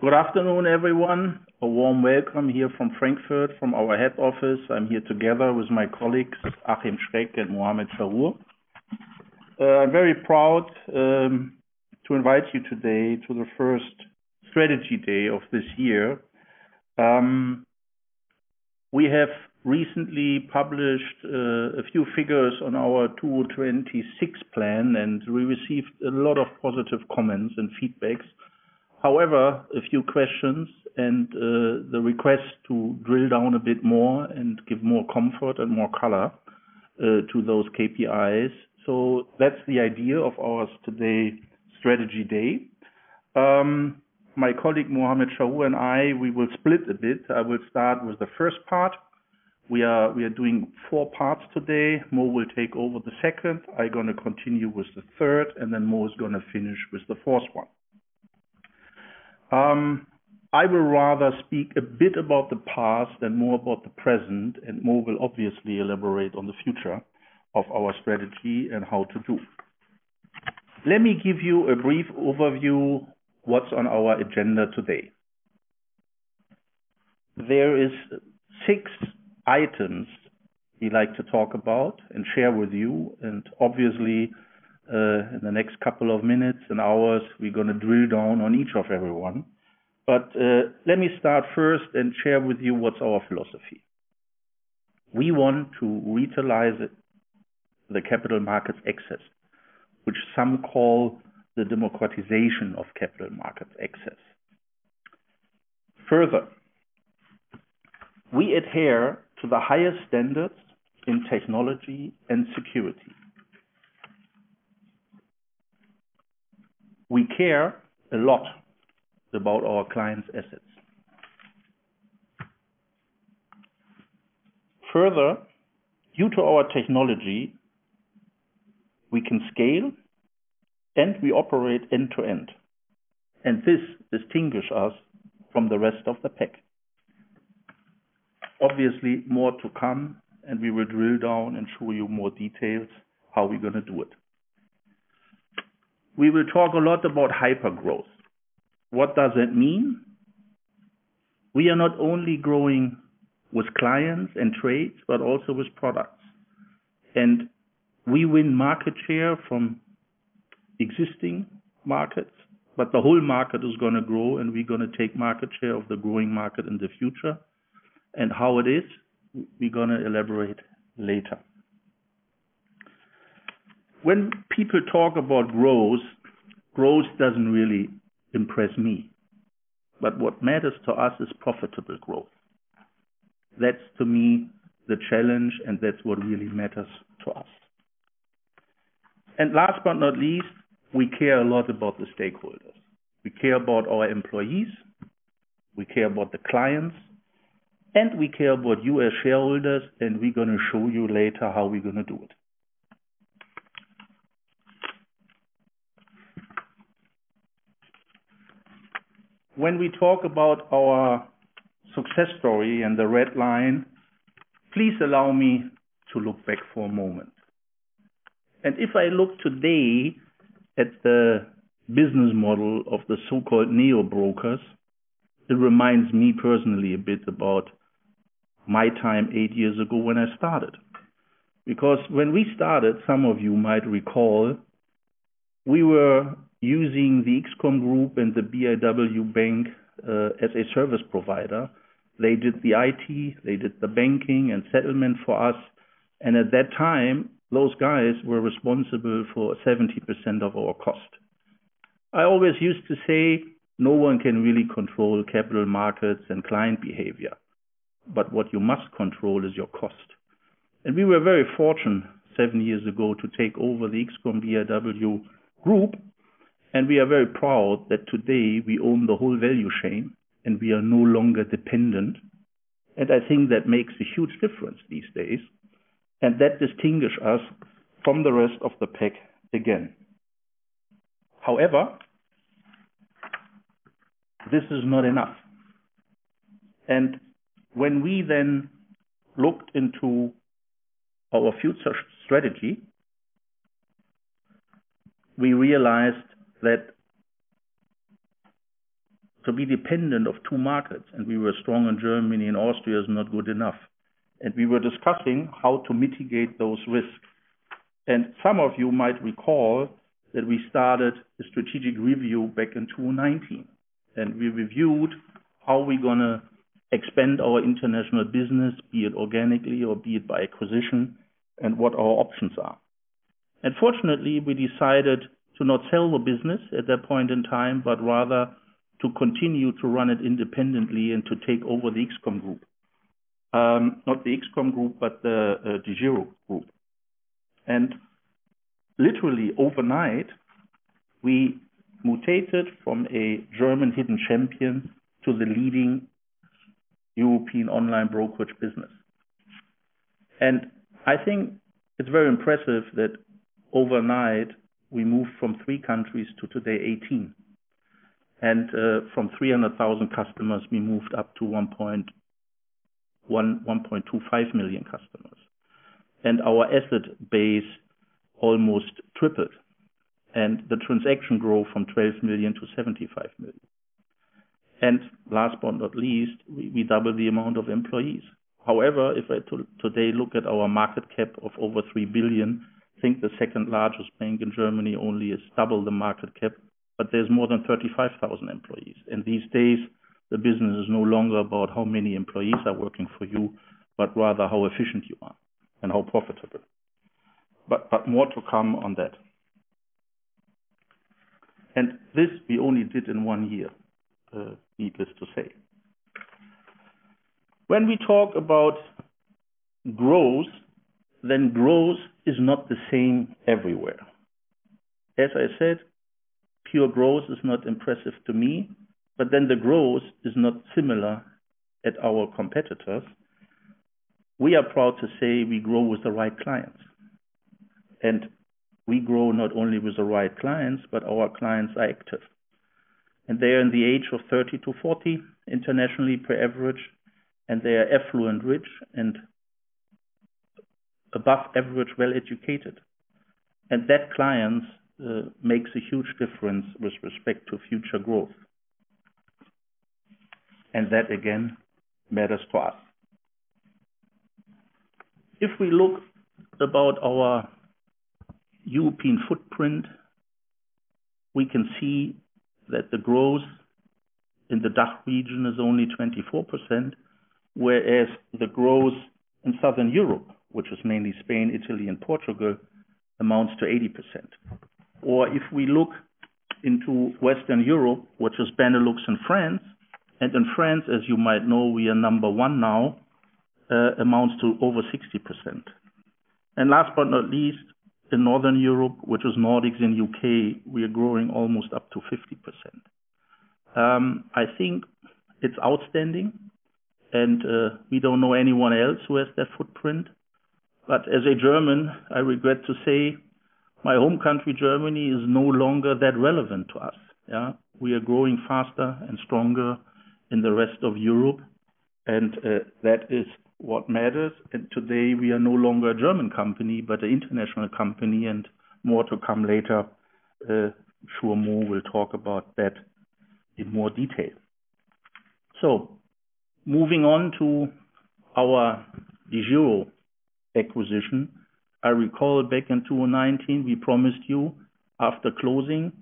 Good afternoon, everyone. A warm welcome here from Frankfurt, from our head office. I'm here together with my colleagues, Achim Schreck and Muhamad Chahrour. I'm very proud to invite you today to the First Strategy Day of this year. We have recently published a few figures on our 2026 plan, and we received a lot of positive comments and feedback. However, a few questions and the request to drill down a bit more and give more comfort and more color to those KPIs, that's the idea of ours today, Strategy Day. My colleague, Muhamad Chahrour, and I, we will split a bit. I will start with the first part. We are doing four parts today. Mo will take over the second. I'm going to continue with the third, and then Mo is going to finish with the fourth one. I will rather speak a bit about the past than more about the present. Mo will obviously elaborate on the future of our strategy and how to do. Let me give you a brief overview what's on our agenda today. There is six items we'd like to talk about and share with you. Obviously, in the next couple of minutes and hours, we're going to drill down on each of every one. Let me start first and share with you what's our philosophy. We want to utilize the capital market access, which some call the democratization of capital market access. Further, we adhere to the highest standards in technology and security. We care a lot about our clients' assets. Further, due to our technology, we can scale. We operate end-to-end. This distinguishes us from the rest of the pack. Obviously, more to come, and we will drill down and show you more details how we're going to do it. We will talk a lot about hypergrowth. What does it mean? We are not only growing with clients and trades, but also with products. We win market share from existing markets, but the whole market is going to grow, and we're going to take market share of the growing market in the future. How it is, we're going to elaborate later. When people talk about growth doesn't really impress me. What matters to us is profitable growth. That's to me, the challenge, and that's what really matters to us. Last but not least, we care a lot about the stakeholders. We care about our employees, we care about the clients, and we care about you as shareholders, and we're going to show you later how we're going to do it. When we talk about our success story and the red line, please allow me to look back for a moment. If I look today at the business model of the so-called neo brokers, it reminds me personally a bit about my time eight years ago when I started. Because when we started, some of you might recall, we were using the XCOM AG and the biw Bank as a service provider. They did the IT, they did the banking and settlement for us. At that time, those guys were responsible for 70% of our cost. I always used to say, no one can really control capital markets and client behavior, but what you must control is your cost. We were very fortunate seven years ago to take over the XCOM biw group, and we are very proud that today we own the whole value chain and we are no longer dependent. I think that makes a huge difference these days, and that distinguishes us from the rest of the pack again. However, this is not enough. When we then looked into our future strategy, we realized that to be dependent of two markets, and we were strong in Germany and Austria, is not good enough. We were discussing how to mitigate those risks. Some of you might recall that we started a strategic review back in 2019, and we reviewed how we're going to expand our international business, be it organically or be it by acquisition, and what our options are. Fortunately, we decided to not sell the business at that point in time, but rather to continue to run it independently and to take over the XCOM group. Not the XCOM group, but the DEGIRO group. Literally overnight, we mutated from a German hidden champion to the leading European online brokerage business. I think it is very impressive that overnight, we moved from three countries to today, 18. From 300,000 customers, we moved up to 1.25 million customers, our asset base almost tripled, the transaction grew from 12 million to 75 million. Last but not least, we doubled the amount of employees. However, if I today look at our market cap of over 3 billion, I think the second-largest bank in Germany only is double the market cap, but there is more than 35,000 employees. These days, the business is no longer about how many employees are working for you, but rather how efficient you are and how profitable. More to come on that. This we only did in one year, needless to say. When we talk about growth is not the same everywhere. As I said, pure growth is not impressive to me. The growth is not similar at our competitors. We are proud to say we grow with the right clients, and we grow not only with the right clients, but our clients are active. They are in the age of 30-40 internationally per average, and they are affluent, rich, and above average well-educated. That client makes a huge difference with respect to future growth. That, again, matters to us. If we look about our European footprint, we can see that the growth in the DACH region is only 24%, whereas the growth in Southern Europe, which is mainly Spain, Italy, and Portugal, amounts to 80%. If we look into Western Europe, which is Benelux and France, and in France, as you might know, we are number 1 now, amounts to over 60%. Last but not least, in Northern Europe, which is Nordics and U.K., we are growing almost up to 50%. I think it's outstanding, and we don't know anyone else who has that footprint. As a German, I regret to say my home country, Germany, is no longer that relevant to us. We are growing faster and stronger in the rest of Europe, and that is what matters. Today, we are no longer a German company, but an international company, and more to come later. I'm sure Mo will talk about that in more detail. Moving on to our DEGIRO acquisition. I recall back in 2019, we promised you after closing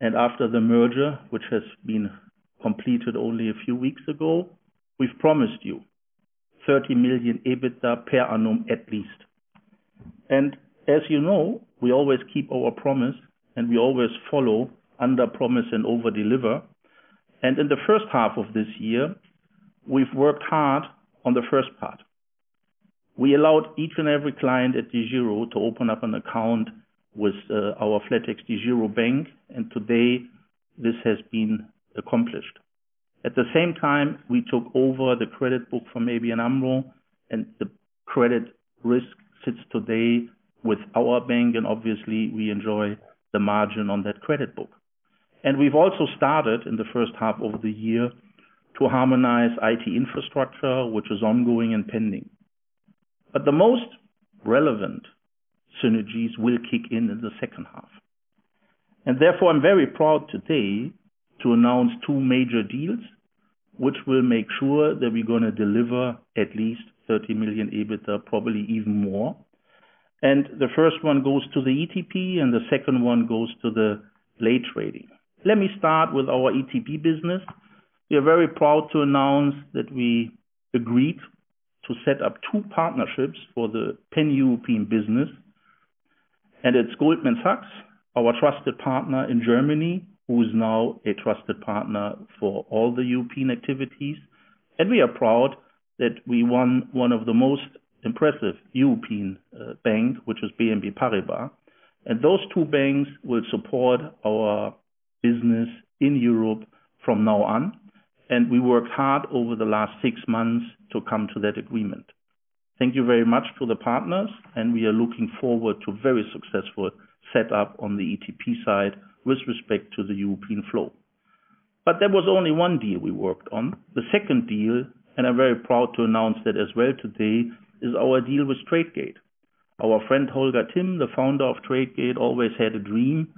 and after the merger, which has been completed only a few weeks ago, we promised you 30 million EBITDA per annum at least. As you know, we always keep our promise, and we always follow underpromise and overdeliver. In the first half of this year, we've worked hard on the first part. We allowed each and every client at DEGIRO to open up an account with our flatexDEGIRO Bank, and today this has been accomplished. At the same time, we took over the credit book from ABN AMRO, and the credit risk sits today with our bank, and obviously, we enjoy the margin on that credit book. We've also started in the first half of the year to harmonize IT infrastructure, which is ongoing and pending. The most relevant synergies will kick in in the second half. Therefore, I'm very proud today to announce two major deals which will make sure that we're going to deliver at least 30 million EBITDA, probably even more. The first one goes to the ETP, and the second one goes to the late trading. Let me start with our ETP business. We are very proud to announce that we agreed to set up two partnerships for the pan-European business. It's Goldman Sachs, our trusted partner in Germany, who is now a trusted partner for all the European activities. We are proud that we won one of the most impressive European banks, which is BNP Paribas. Those two banks will support our business in Europe from now on. We worked hard over the last six months to come to that agreement. Thank you very much to the partners. We are looking forward to a very successful set up on the ETP side with respect to the European flow. There was only one deal we worked on. The second deal, and I'm very proud to announce that as well today, is our deal with Tradegate. Our friend Holger Timm, the founder of Tradegate, always had a dream.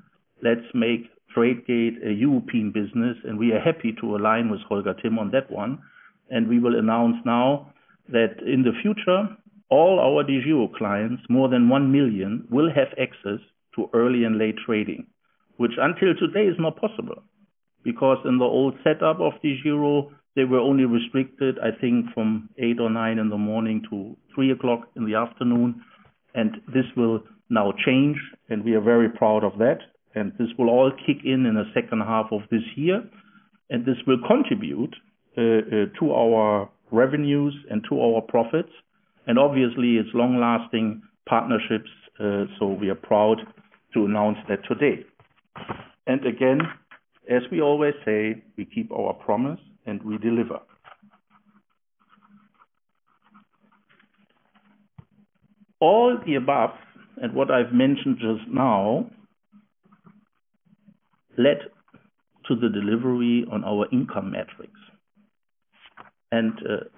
Let's make Tradegate a European business," we are happy to align with Holger Timm on that one. We will announce now that in the future, all our DEGIRO clients, more than one million, will have access to early and late trading, which until today is not possible. In the old setup of DEGIRO, they were only restricted, I think, from 8:00 A.M. or 9:00 A.M. to 3:00 P.M., and this will now change, and we are very proud of that. This will all kick in in the second half of this year, and this will contribute to our revenues and to our profits. Obviously, it's long-lasting partnerships, so we are proud to announce that today. Again, as we always say, we keep our promise and we deliver. All the above and what I have mentioned just now led to the delivery on our income metrics.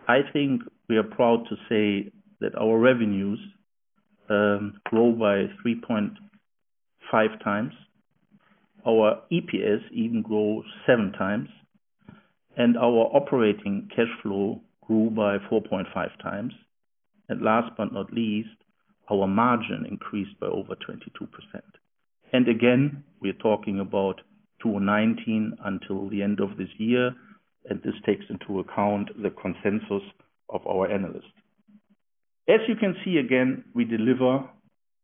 I think we are proud to say that our revenues grow by 3.5x, our EPS even grows 7x, and our operating cash flow grew by 4.5x. Last but not least, our margin increased by over 22%. Again, we are talking about 2019 until the end of this year, and this takes into account the consensus of our analysts. As you can see again, we deliver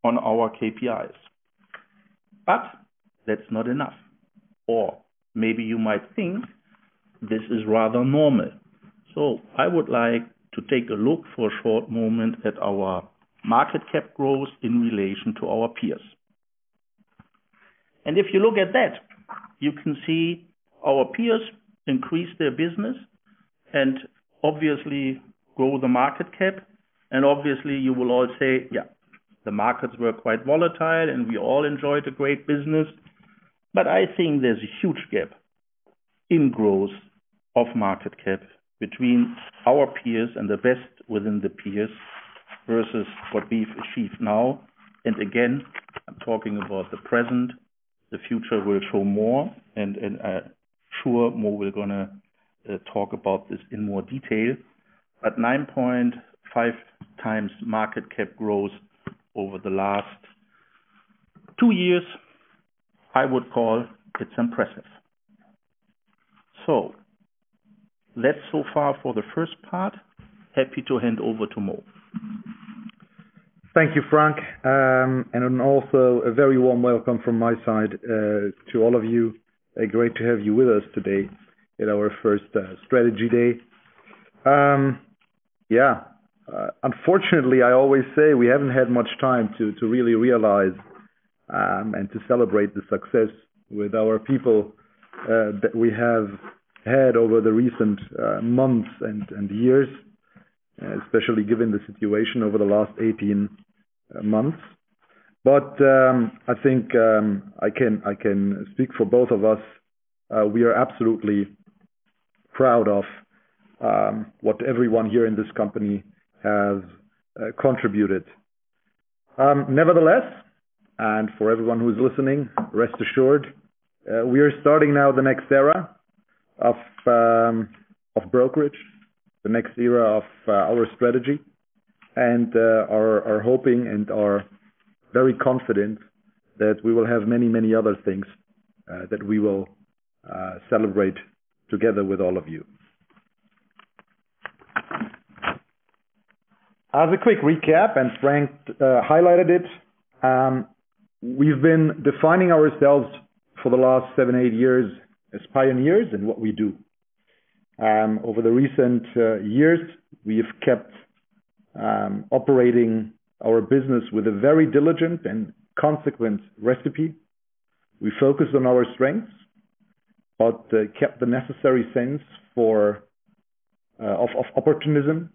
on our KPIs, but that is not enough. Maybe you might think this is rather normal. I would like to take a look for a short moment at our market cap growth in relation to our peers. If you look at that, you can see our peers increase their business and obviously grow the market cap. Obviously, you will all say, "Yeah, the markets were quite volatile, and we all enjoyed a great business," but I think there's a huge gap in growth of market cap between our peers and the best within the peers versus what we've achieved now. Again, I'm talking about the present. The future will show more, and I'm sure Mo we're going to talk about this in more detail. 9.5x market cap growth over the last two years I would call quite impressive. That's so far for the first part. Happy to hand over to Mo. Thank you, Frank. Also a very warm welcome from my side to all of you. Great to have you with us today at our First Strategy Day. Unfortunately, I always say we haven't had much time to really realize and to celebrate the success with our people that we have had over the recent months and years, especially given the situation over the last 18 months. I think I can speak for both of us. We are absolutely proud of what everyone here in this company has contributed. Nevertheless, for everyone who's listening, rest assured, we are starting now the next era of brokerage, the next era of our strategy, and are hoping and are very confident that we will have many other things that we will celebrate together with all of you. As a quick recap, and Frank highlighted it, we've been defining ourselves for the last seven, eight years as pioneers in what we do. Over the recent years, we have kept operating our business with a very diligent and consequent recipe. We focused on our strengths but kept the necessary sense of opportunism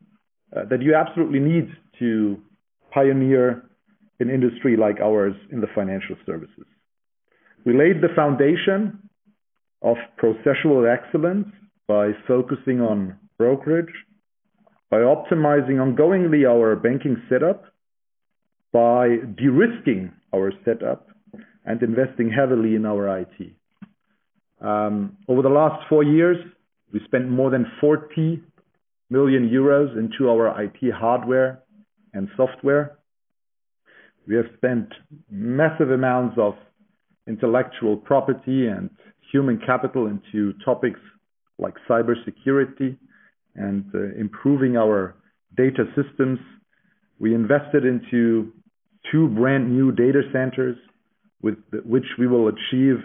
that you absolutely need to pioneer an industry like ours in the financial services. We laid the foundation of processual excellence by focusing on brokerage, by optimizing ongoingly our banking setup, by de-risking our setup, and investing heavily in our IT. Over the last four years, we spent more than 40 million euros into our IT hardware and software. We have spent massive amounts of intellectual property and human capital into topics like cybersecurity and improving our data systems. We invested into two brand new data centers with which we will achieve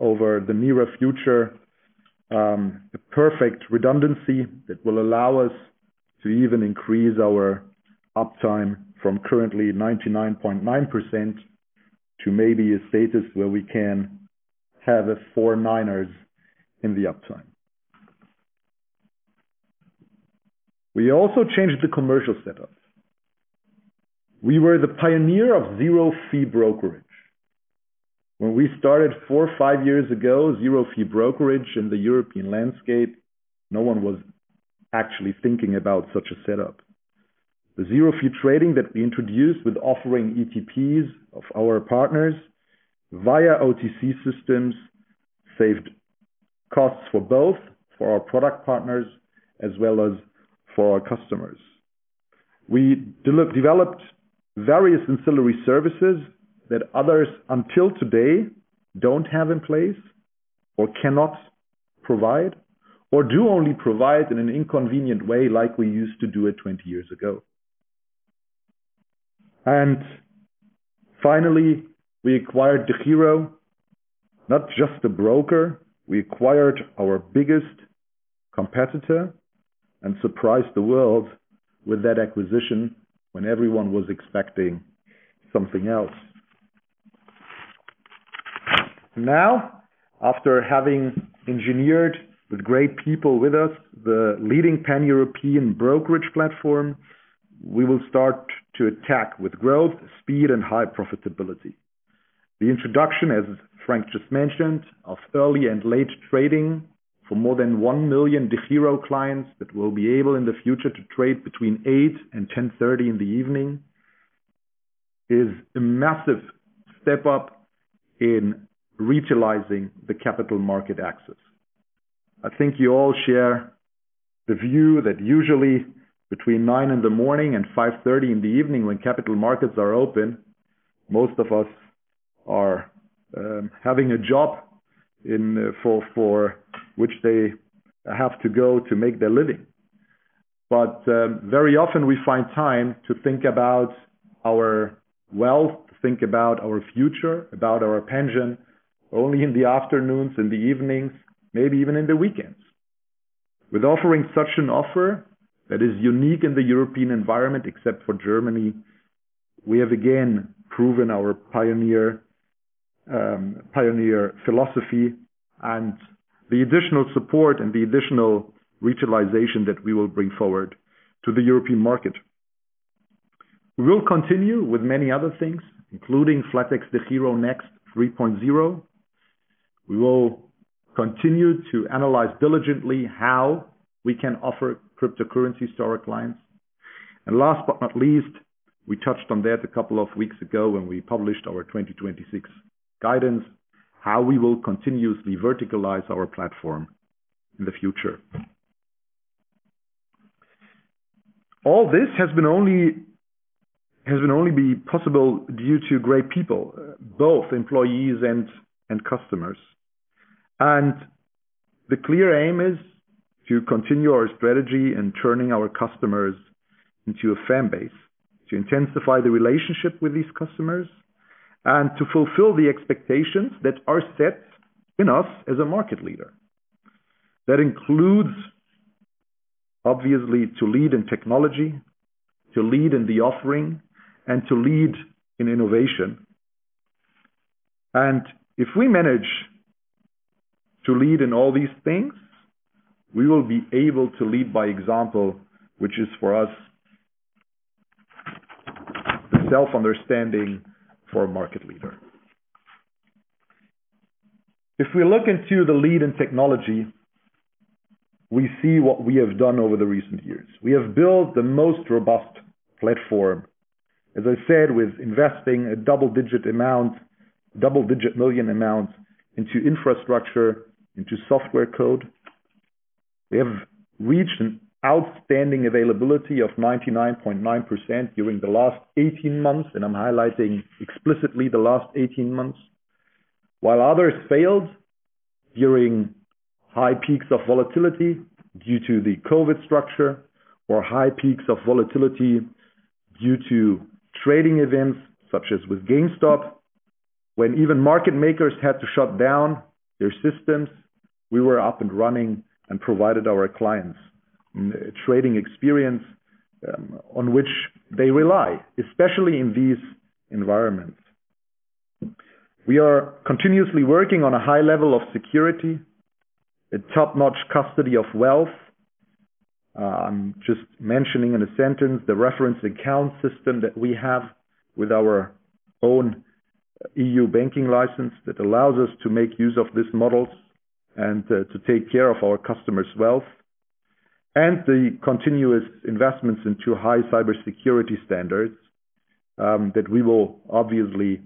over the nearer future the perfect redundancy that will allow us to even increase our uptime from currently 99.9% to maybe a status where we can have four niners in the uptime. We also changed the commercial setup. We were the pioneer of zero-fee brokerage. When we started four or five years ago, zero-fee brokerage in the European landscape, no one was actually thinking about such a setup. The zero-fee trading that we introduced with offering ETPs of our partners via OTC systems saved costs for both for our product partners as well as for our customers. We developed various ancillary services that others until today don't have in place or cannot provide or do only provide in an inconvenient way like we used to do it 20 years ago. Finally, we acquired DEGIRO, not just the broker. We acquired our biggest competitor and surprised the world with that acquisition when everyone was expecting something else. After having engineered with great people with us, the leading pan-European brokerage platform, we will start to attack with growth, speed, and high profitability. The introduction, as Frank just mentioned, of early and late trading for more than one million DEGIRO clients that will be able in the future to trade between 8:00 P.M. and 10:30 P.M., is a massive step up in regionalizing the capital market access. I think you all share the view that usually between 9:00 A.M. and 5:30 P.M., when capital markets are open, most of us are having a job for which they have to go to make their living. Very often we find time to think about our wealth, think about our future, about our pension, only in the afternoons and the evenings, maybe even in the weekends. With offering such an offer that is unique in the European environment, except for Germany, we have again proven our pioneer philosophy and the additional support and the additional regionalization that we will bring forward to the European market. We will continue with many other things, including flatex next 3.0. We will continue to analyze diligently how we can offer cryptocurrency to our clients. Last but not least, we touched on that a couple of weeks ago when we published our 2026 guidance, how we will continuously verticalize our platform in the future. All this has only been possible due to great people, both employees and customers. The clear aim is to continue our strategy in turning our customers into a fan base, to intensify the relationship with these customers, and to fulfill the expectations that are set in us as a market leader. That includes, obviously, to lead in technology, to lead in the offering, and to lead in innovation. If we manage to lead in all these things, we will be able to lead by example, which is for us the self-understanding for a market leader. If we look into the lead in technology, we see what we have done over the recent years. We have built the most robust platform, as I said, with investing a double-digit million amount into infrastructure, into software code. We have reached an outstanding availability of 99.9% during the last 18 months, and I'm highlighting explicitly the last 18 months. While others failed during high peaks of volatility due to the COVID structure or high peaks of volatility due to trading events such as with GameStop, when even market makers had to shut down their systems, we were up and running and provided our clients a trading experience on which they rely, especially in these environments. We are continuously working on a high level of security, a top-notch custody of wealth. I'm just mentioning in a sentence the reference account system that we have with our own EU banking license that allows us to make use of these models and to take care of our customers' wealth, and the continuous investments into high cybersecurity standards that we will obviously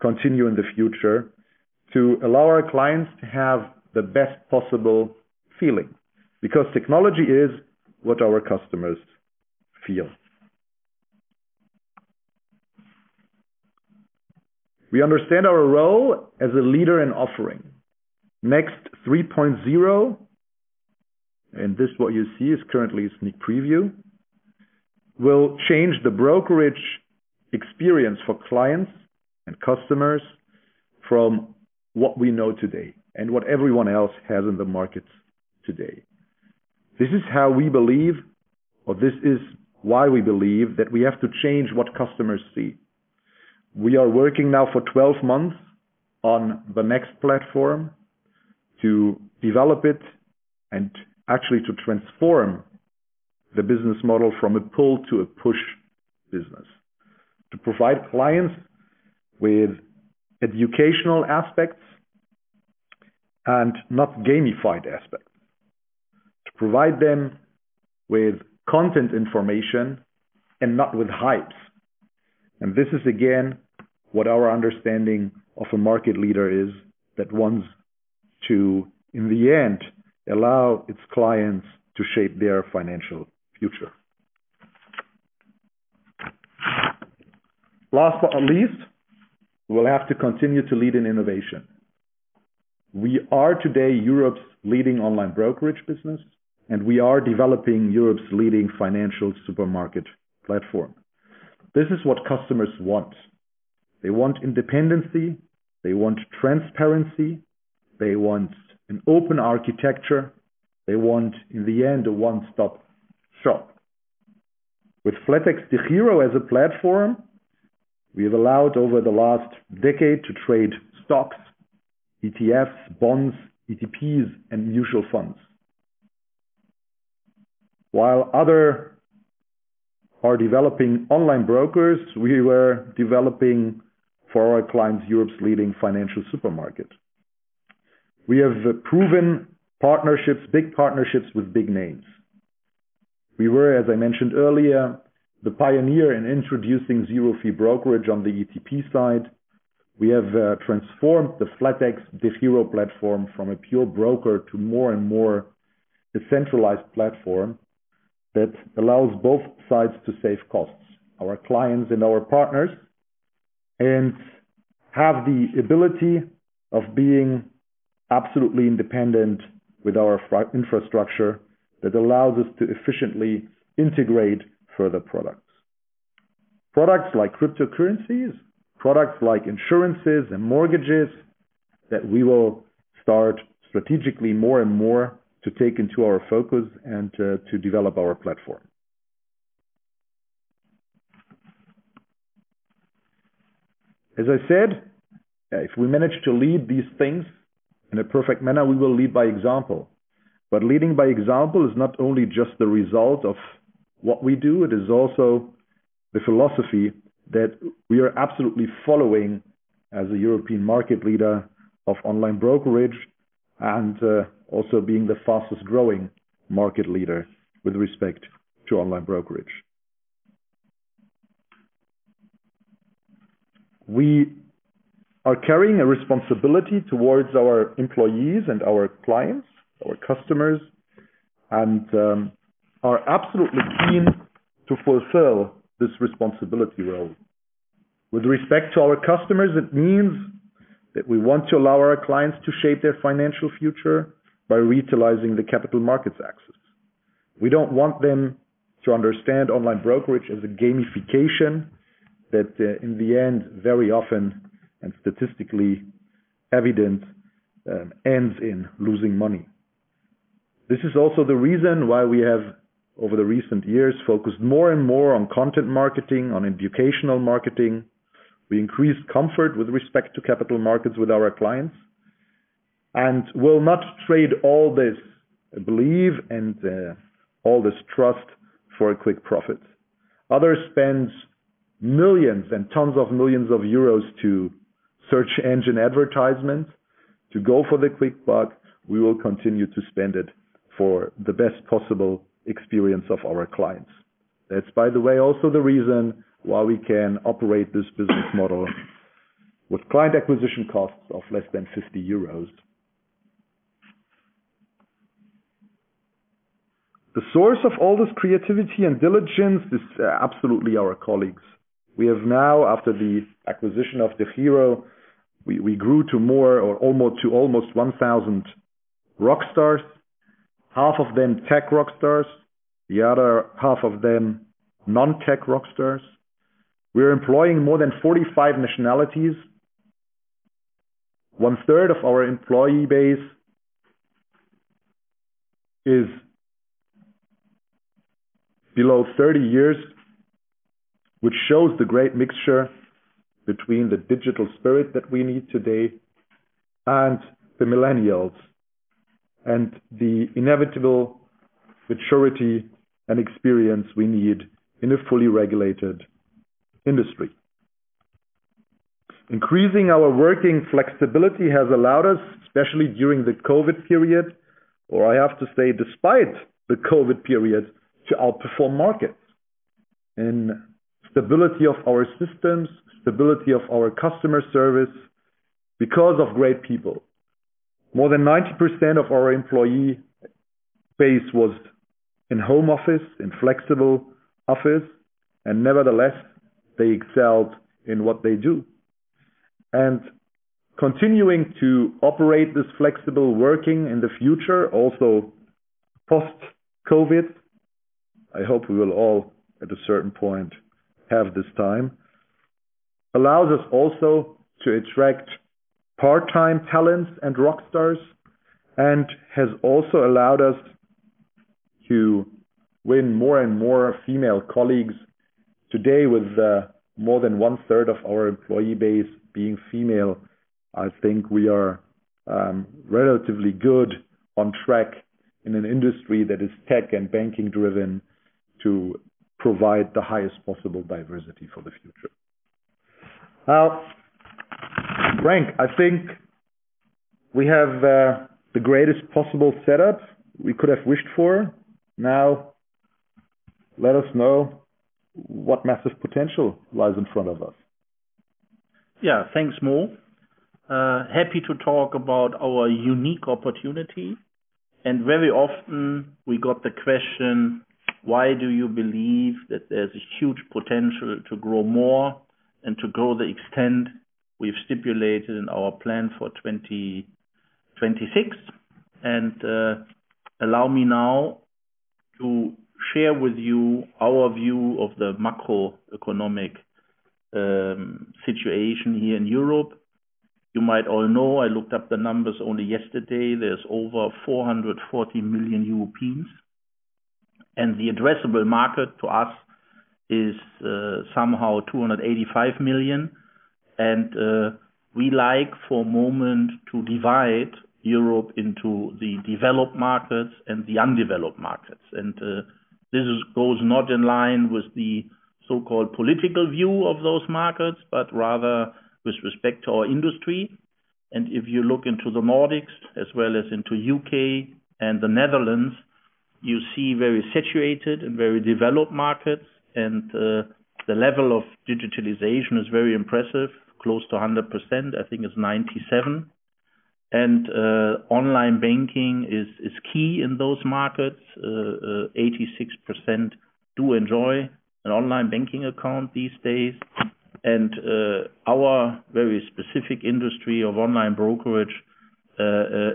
continue in the future to allow our clients to have the best possible feeling, because technology is what our customers feel. We understand our role as a leader in offering. Next 3.0, and this what you see is currently a sneak preview, will change the brokerage experience for clients and customers from what we know today and what everyone else has in the markets today. This is how we believe, or this is why we believe that we have to change what customers see. We are working now for 12 months on the next platform to develop it and actually to transform the business model from a pull to a push business, to provide clients with educational aspects and not gamified aspects, to provide them with content information and not with hypes. This is, again, what our understanding of a market leader is that wants to, in the end, allow its clients to shape their financial future. Last but not least, we will have to continue to lead in innovation. We are today Europe's leading online brokerage business. We are developing Europe's leading financial supermarket platform. This is what customers want. They want independency, they want transparency, they want an open architecture. They want, in the end, a one-stop shop. With flatexDEGIRO as a platform, we have allowed over the last decade to trade stocks, ETFs, bonds, ETPs, and mutual funds. While other are developing online brokers, we were developing for our clients Europe's leading financial supermarket. We have proven partnerships, big partnerships with big names. We were, as I mentioned earlier, the pioneer in introducing zero fee brokerage on the ETP side. We have transformed the flatexDEGIRO platform from a pure broker to more and more decentralized platform that allows both sides to save costs, our clients and our partners, and have the ability of being absolutely independent with our infrastructure that allows us to efficiently integrate further products. Products like cryptocurrencies, products like insurances and mortgages that we will start strategically more and more to take into our focus and to develop our platform. As I said, if we manage to lead these things in a perfect manner, we will lead by example. Leading by example is not only just the result of what we do, it is also the philosophy that we are absolutely following as a European market leader of online brokerage and also being the fastest growing market leader with respect to online brokerage. We are carrying a responsibility towards our employees and our clients, our customers, and are absolutely keen to fulfill this responsibility well. With respect to our customers, it means that we want to allow our clients to shape their financial future by utilizing the capital markets access. We don't want them to understand online brokerage as a gamification that in the end, very often, and statistically evident, ends in losing money. This is also the reason why we have, over the recent years, focused more and more on content marketing, on educational marketing. We increased comfort with respect to capital markets with our clients, will not trade all this belief and all this trust for a quick profit. Others spend millions and tons of millions of euros to search engine advertisement to go for the quick buck. We will continue to spend it for the best possible experience of our clients. That's, by the way, also the reason why we can operate this business model with client acquisition costs of less than 50 euros. The source of all this creativity and diligence is absolutely our colleagues. We have now, after the acquisition of DEGIRO, we grew to more or to almost 1,000 rock stars, half of them tech rock stars, the other half of them non-tech rock stars. We are employing more than 45 nationalities. One third of our employee base is below 30 years, which shows the great mixture between the digital spirit that we need today and the millennials, and the inevitable maturity and experience we need in a fully regulated industry. Increasing our working flexibility has allowed us, especially during the COVID period, or I have to say despite the COVID period, to outperform markets in stability of our systems, stability of our customer service because of great people. More than 90% of our employee base was in home office, in flexible office, and nevertheless, they excelled in what they do. Continuing to operate this flexible working in the future, also post-COVID, I hope we will all at a certain point have this time, allows us also to attract part-time talents and rock stars, and has also allowed us to win more and more female colleagues. Today, with more than one third of our employee base being female, I think we are relatively good on track in an industry that is tech and banking driven to provide the highest possible diversity for the future. Now, Frank, I think we have the greatest possible setup we could have wished for. Now, let us know what massive potential lies in front of us. Yeah, thanks, Mo. Happy to talk about our unique opportunity. Very often we got the question, "Why do you believe that there's a huge potential to grow more and to grow the extent we've stipulated in our plan for 2026?" Allow me now to share with you our view of the macroeconomic situation here in Europe. You might all know, I looked up the numbers only yesterday, there's over 440 million Europeans, and the addressable market to us is somehow 285 million. We like, for a moment, to divide Europe into the developed markets and the undeveloped markets. This goes not in line with the so-called political view of those markets, but rather with respect to our industry. If you look into the Nordics as well as into U.K. and the Netherlands, you see very saturated and very developed markets, and the level of digitalization is very impressive, close to 100%. I think it's 97. Online banking is key in those markets. 86% do enjoy an online banking account these days. Our very specific industry of online brokerage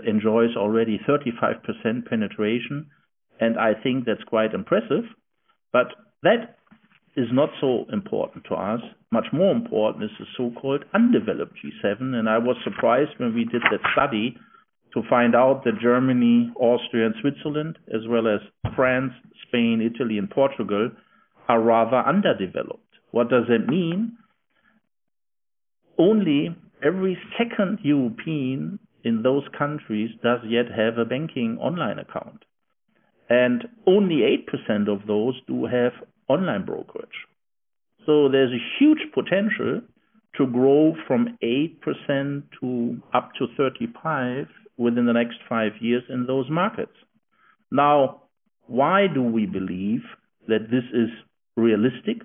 enjoys already 35% penetration, and I think that's quite impressive, but that is not so important to us. Much more important is the so-called undeveloped G7, and I was surprised when we did that study to find out that Germany, Austria, and Switzerland, as well as France, Spain, Italy, and Portugal, are rather underdeveloped. What does that mean? Only every second European in those countries does yet have a banking online account, and only 8% of those do have online brokerage. There's a huge potential to grow from 8% to up to 35 within the next five years in those markets. Why do we believe that this is realistic?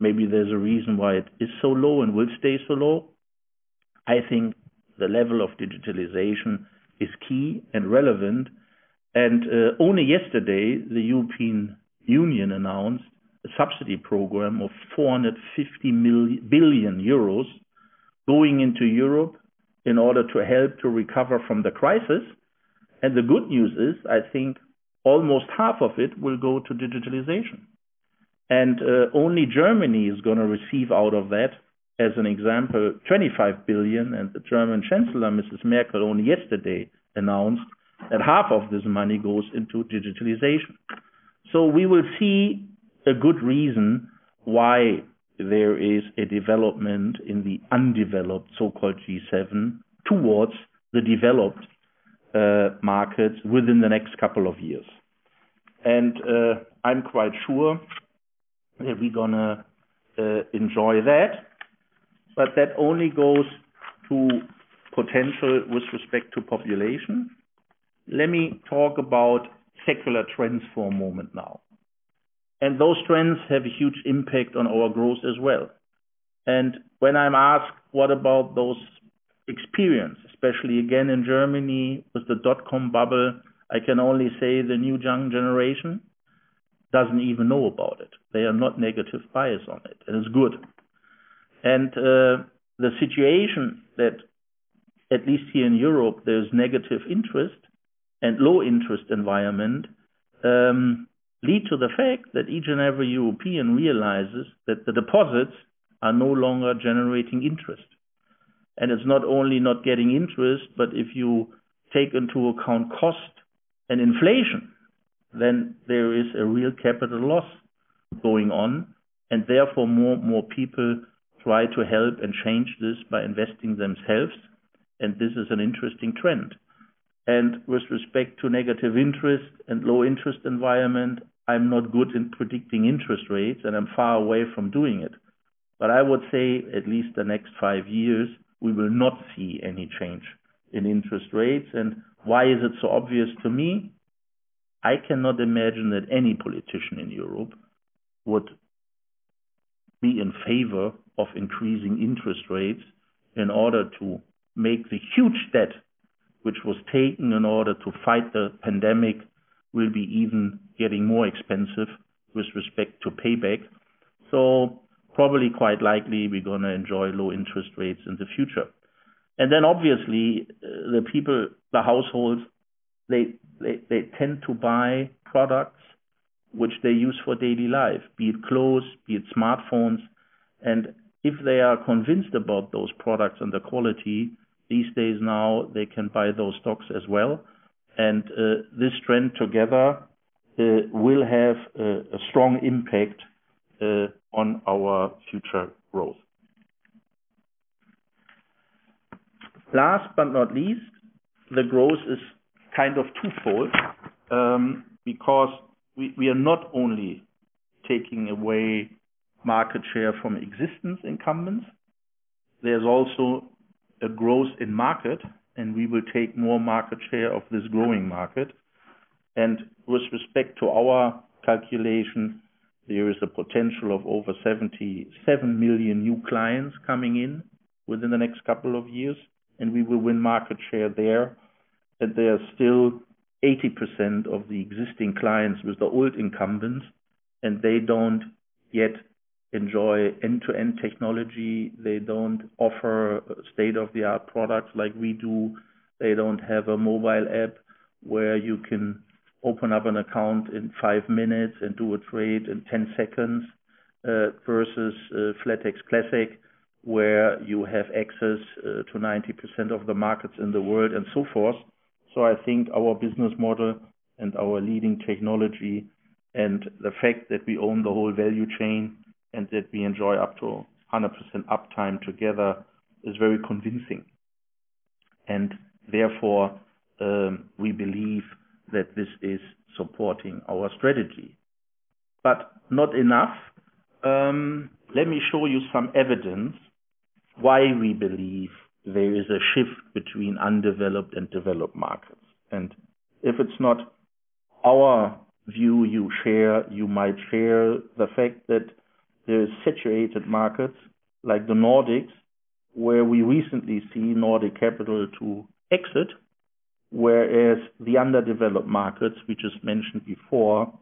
Maybe there's a reason why it is so low and will stay so low. I think the level of digitalization is key and relevant, and only yesterday, the European Union announced a subsidy program of 450 billion euros going into Europe in order to help to recover from the crisis. The good news is, I think almost half of it will go to digitalization. Only Germany is going to receive out of that, as an example, 25 billion, and the German chancellor, Mrs. Merkel, only yesterday announced that half of this money goes into digitalization. We will see a good reason why there is a development in the undeveloped, so-called G7 towards the developed markets within the next couple of years. I'm quite sure that we're going to enjoy that. That only goes to potential with respect to population. Let me talk about secular trends for a moment now. Those trends have a huge impact on our growth as well. When I'm asked, what about those experience, especially again in Germany with the dot-com bubble, I can only say the new young generation doesn't even know about it. They are not negative biased on it, and it's good. The situation that, at least here in Europe, there's negative interest and low interest environment, lead to the fact that each and every European realizes that the deposits are no longer generating interest. It's not only not getting interest, but if you take into account cost and inflation, then there is a real capital loss going on. Therefore, more and more people try to help and change this by investing themselves. This is an interesting trend. With respect to negative interest and low interest environment, I'm not good in predicting interest rates, and I'm far away from doing it. I would say at least the next five years, we will not see any change in interest rates. Why is it so obvious to me? I cannot imagine that any politician in Europe would be in favor of increasing interest rates in order to make the huge debt which was taken in order to fight the pandemic will be even getting more expensive with respect to payback. Probably quite likely, we're going to enjoy low interest rates in the future. Obviously, the people, the households, they tend to buy products which they use for daily life, be it clothes, be it smartphones. If they are convinced about those products and the quality, these days now, they can buy those stocks as well. This trend together will have a strong impact on our future growth. Last but not least, the growth is kind of twofold, because we are not only taking away market share from existing incumbents, there's also a growth in market, and we will take more market share of this growing market. With respect to our calculations, there is a potential of over 77 million new clients coming in within the next couple of years, and we will win market share there. There are still 80% of the existing clients with the old incumbents, and they don't yet enjoy end-to-end technology. They don't offer state-of-the-art products like we do. They don't have a mobile app where you can open up an account in five minutes and do a trade in 10 seconds, versus flatex Classic, where you have access to 90% of the markets in the world and so forth. I think our business model and our leading technology, and the fact that we own the whole value chain and that we enjoy up to 100% uptime together is very convincing. Therefore, we believe that this is supporting our strategy. Not enough. Let me show you some evidence why we believe there is a shift between undeveloped and developed markets. If it's not our view you share, you might share the fact that there are saturated markets like the Nordics, where we recently see Nordic Capital to exit, whereas the underdeveloped markets we just mentioned before,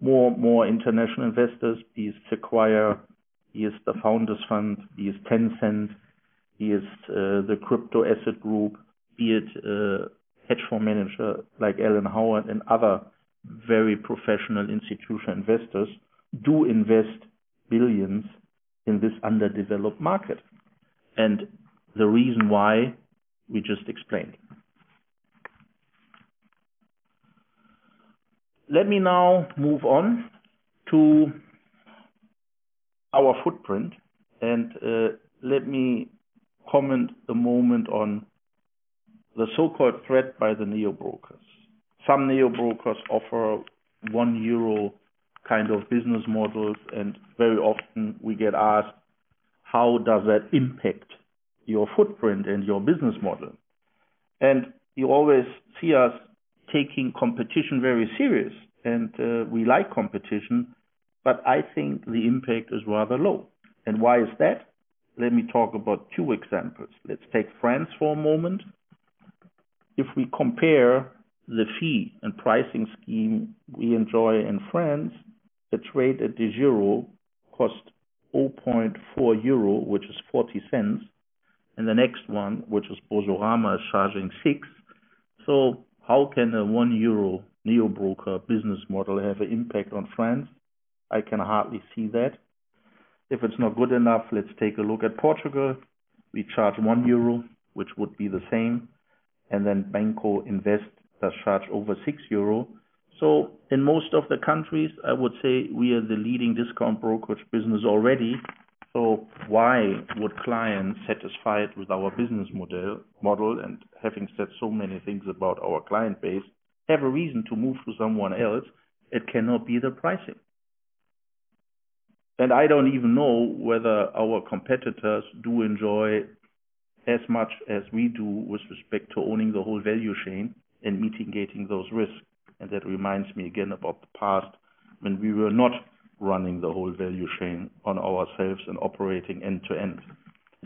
more international investors, be it Sequoia, be it the Founders Fund, be it Tencent, be it the Crypto Asset Group, be it hedge fund manager like Alan Howard and other very professional institutional investors do invest billions in this underdeveloped market. The reason why, we just explained. Let me now move on to our footprint, let me comment a moment on the so-called threat by the neo brokers. Some neo brokers offer 1 euro kind of business models, very often we get asked, "How does that impact your footprint and your business model?" You always see us taking competition very serious. We like competition, but I think the impact is rather low. Why is that? Let me talk about two examples. Let's take France for a moment. If we compare the fee and pricing scheme we enjoy in France, a trade at DEGIRO costs 0.4 euro, which is 0.40, and the next one, which is Boursorama, is charging 6. How can a 1 euro neo broker business model have an impact on France? I can hardly see that. If it's not good enough, let's take a look at Portugal. We charge 1 euro, which would be the same, and then Banco Invest does charge over 6 euro. In most of the countries, I would say we are the leading discount brokerage business already. Why would clients satisfied with our business model, and having said so many things about our client base, have a reason to move to someone else? It cannot be the pricing. I don't even know whether our competitors do enjoy as much as we do with respect to owning the whole value chain and mitigating those risks. That reminds me again about the past, when we were not running the whole value chain on ourselves and operating end to end.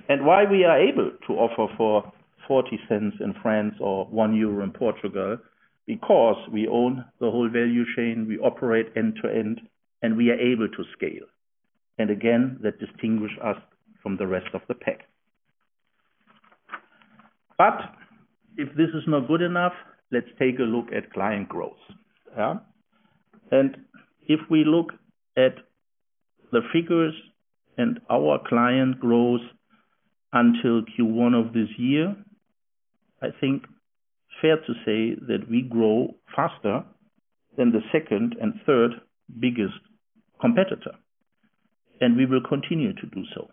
Why we are able to offer for 0.40 in France or 1 euro in Portugal, because we own the whole value chain, we operate end to end, and we are able to scale. Again, that distinguish us from the rest of the pack. If this is not good enough, let's take a look at client growth. If we look at the figures and our client growth until Q1 of this year, I think fair to say that we grow faster than the second and third biggest competitor, and we will continue to do so.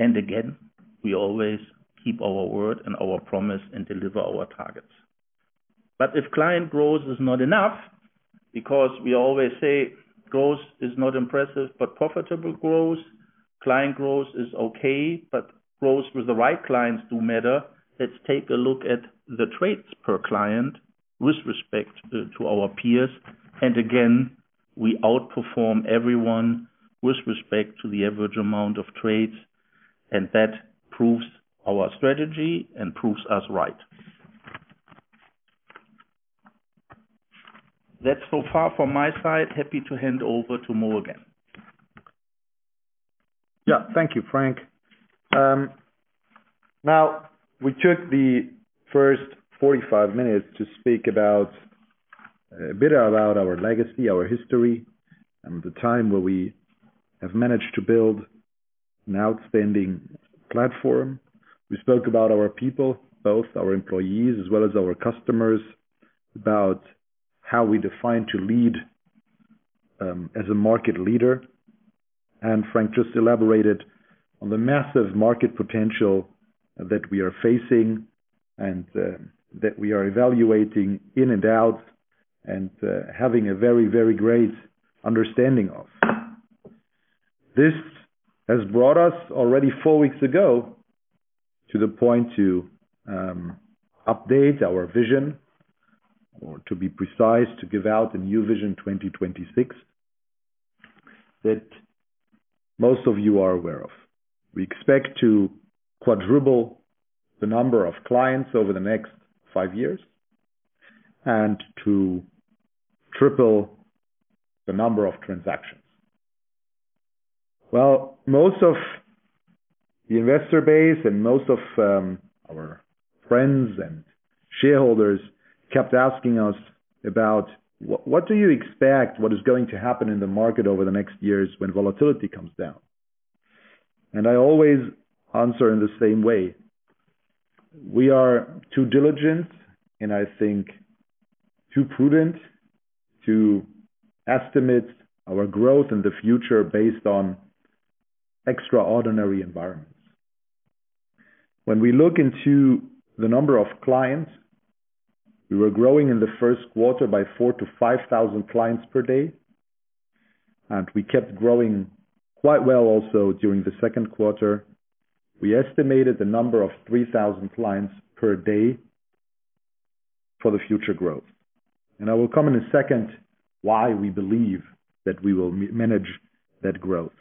Again, we always keep our word and our promise and deliver our targets. If client growth is not enough, because we always say growth is not impressive, but profitable growth, client growth is okay, but growth with the right clients do matter, let's take a look at the trades per client with respect to our peers. Again, we outperform everyone with respect to the average amount of trades, and that proves our strategy and proves us right. That's so far from my side. Happy to hand over to Muhamad. Yeah. Thank you, Frank. Now, we took the first 45 minutes to speak a bit about our legacy, our history, and the time where we have managed to build an outstanding platform. We spoke about our people, both our employees as well as our customers, about how we define to lead as a market leader. Frank just elaborated on the massive market potential that we are facing and that we are evaluating in and out and having a very great understanding of. This has brought us already four weeks ago to the point to update our vision or to be precise, to give out the new vision 2026 that most of you are aware of. We expect to quadruple the number of clients over the next five years and to triple the number of transactions. Well, most of the investor base and most of our friends and shareholders kept asking us about, "What do you expect is going to happen in the market over the next years when volatility comes down?" I always answer in the same way. We are too diligent, and I think too prudent to estimate our growth in the future based on extraordinary environments. When we look into the number of clients, we were growing in the first quarter by 4,000-5,000 clients per day. We kept growing quite well also during the second quarter. We estimated the number of 3,000 clients per day for the future growth. I will come in a second why we believe that we will manage that growth.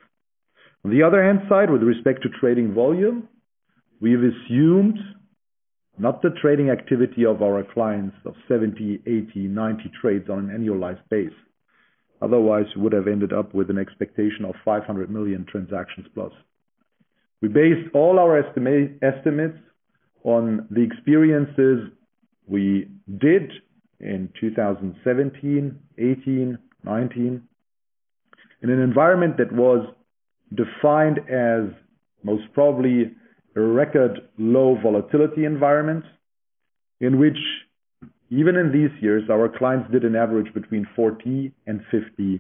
On the other hand side, with respect to trading volume, we have assumed not the trading activity of our clients of 70, 80, 90 trades on an annualized base. Otherwise, we would have ended up with an expectation of 500 million transactions plus. We based all our estimates on the experiences we did in 2017, 2018, 2019, in an environment that was defined as most probably a record low volatility environment, in which even in these years, our clients did an average between 40 and 50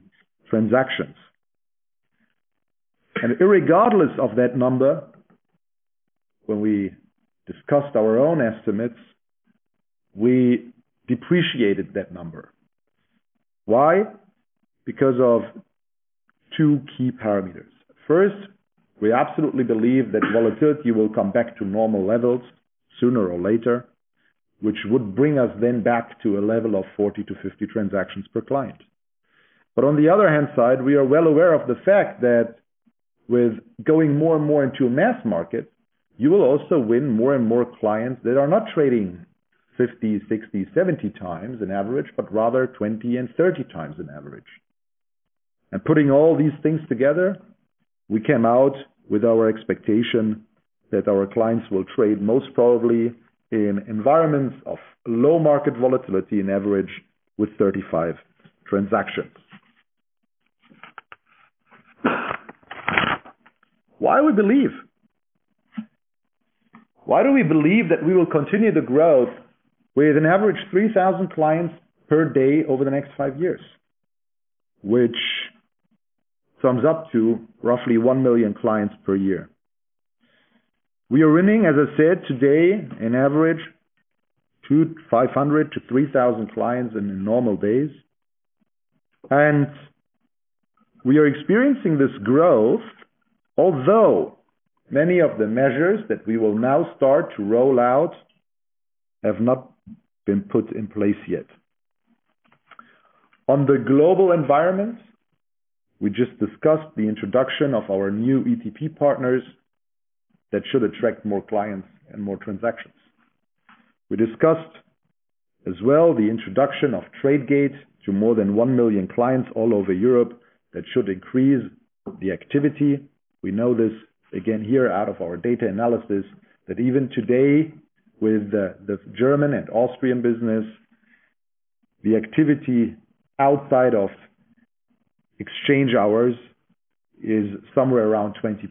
transactions. Irregardless of that number, when we discussed our own estimates, we depreciated that number. Why? Because of two key parameters. First, we absolutely believe that volatility will come back to normal levels sooner or later, which would bring us then back to a level of 40-50 transactions per client. On the other hand side, we are well aware of the fact that with going more and more into a mass market, you will also win more and more clients that are not trading 50, 60, 70x on average, but rather 20 and 30 times on average. Putting all these things together, we came out with our expectation that our clients will trade most probably in environments of low market volatility on average with 35 transactions. Why do we believe that we will continue to grow with an average 3,000 clients per day over the next five years, which sums up to roughly one million clients per year? We are winning, as I said today, on average, 2,500-3,000 clients in normal days. We are experiencing this growth, although many of the measures that we will now start to roll out have not been put in place yet. On the global environment, we just discussed the introduction of our new ETP partners that should attract more clients and more transactions. We discussed as well the introduction of Tradegate to more than one million clients all over Europe that should increase the activity. We know this again here out of our data analysis, that even today with the German and Austrian business, the activity outside of exchange hours is somewhere around 20%.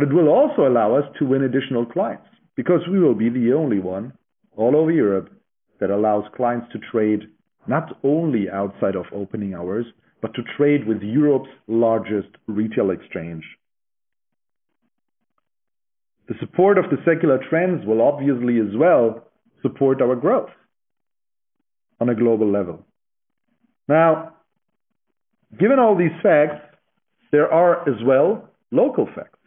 It will also allow us to win additional clients because we will be the only one all over Europe that allows clients to trade not only outside of opening hours, but to trade with Europe's largest retail exchange. The support of the secular trends will obviously as well support our growth on a global level. Now, given all these facts, there are as well local facts.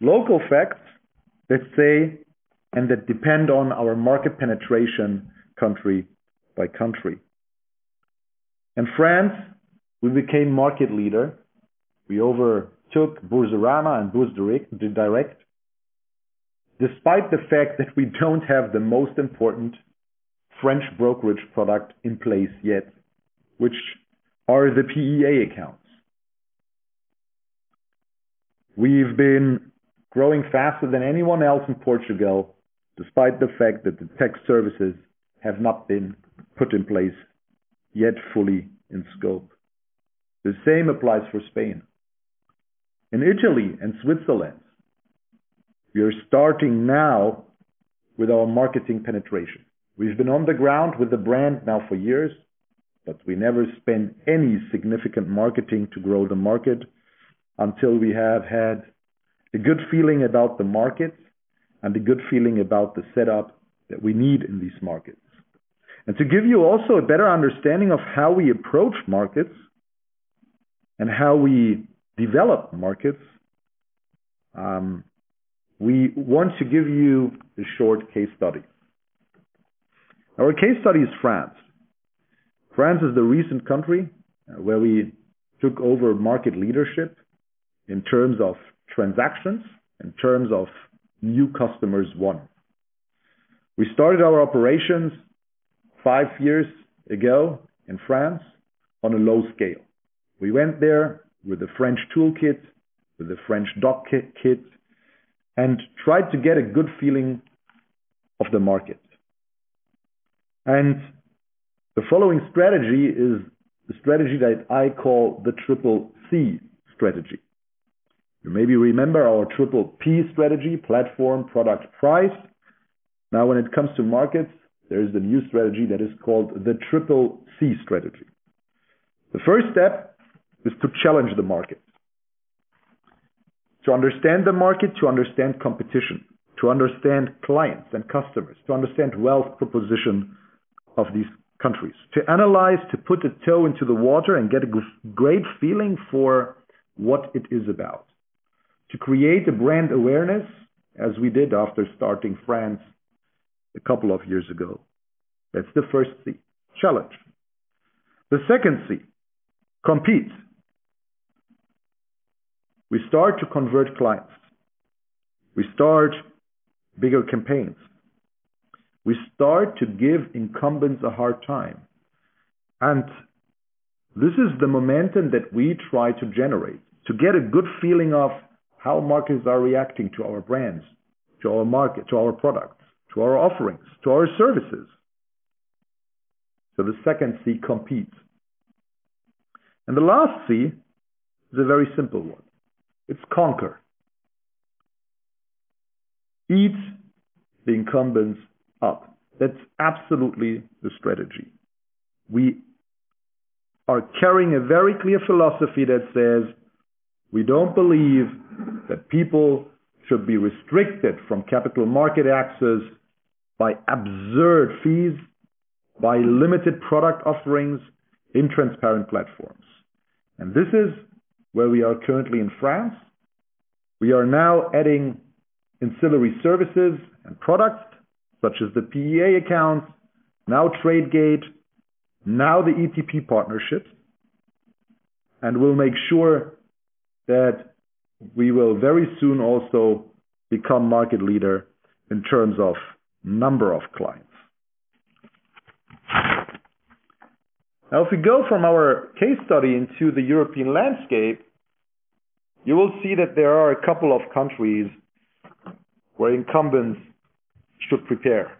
Local facts that say and that depend on our market penetration country by country. In France, we became market leader. We overtook Boursorama and Bourse Direct despite the fact that we don't have the most important French brokerage product in place yet, which are the PEA accounts. We've been growing faster than anyone else in Portugal, despite the fact that the tech services have not been put in place yet fully in scope. The same applies for Spain. In Italy and Switzerland, we are starting now with our marketing penetration. We've been on the ground with the brand now for years, but we never spent any significant marketing to grow the market until we have had a good feeling about the markets and a good feeling about the setup that we need in these markets. To give you also a better understanding of how we approach markets and how we develop markets, we want to give you a short case study. Our case study is France. France is the recent country where we took over market leadership in terms of transactions, in terms of new customers won. We started our operations five years ago in France on a low scale. We went there with a French toolkit, with a French [doc kit], and tried to get a good feeling of the market. The following strategy is the strategy that I call the Triple C strategy. You maybe remember our Triple P strategy, platform, product, price. When it comes to markets, there is a new strategy that is called the Triple C strategy. The first step is to challenge the market. To understand the market, to understand competition, to understand clients and customers, to understand wealth proposition of these countries. To analyze, to put a toe into the water and get a great feeling for what it is about. To create a brand awareness, as we did after starting France a couple of years ago. That's the first C, challenge. The second C, compete. We start to convert clients. We start bigger campaigns. We start to give incumbents a hard time. This is the momentum that we try to generate to get a good feeling of how markets are reacting to our brands, to our market, to our products, to our offerings, to our services. The second C competes. The last C is a very simple one. It's conquer. Beat the incumbents up. That's absolutely the strategy. We are carrying a very clear philosophy that says we don't believe that people should be restricted from capital market access by absurd fees, by limited product offerings, in transparent platforms. This is where we are currently in France. We are now adding ancillary services and products such as the PEA accounts, now Tradegate, now the ETP partnerships. We'll make sure that we will very soon also become market leader in terms of number of clients. If we go from our case study into the European landscape, you will see that there are a couple of countries where incumbents should prepare.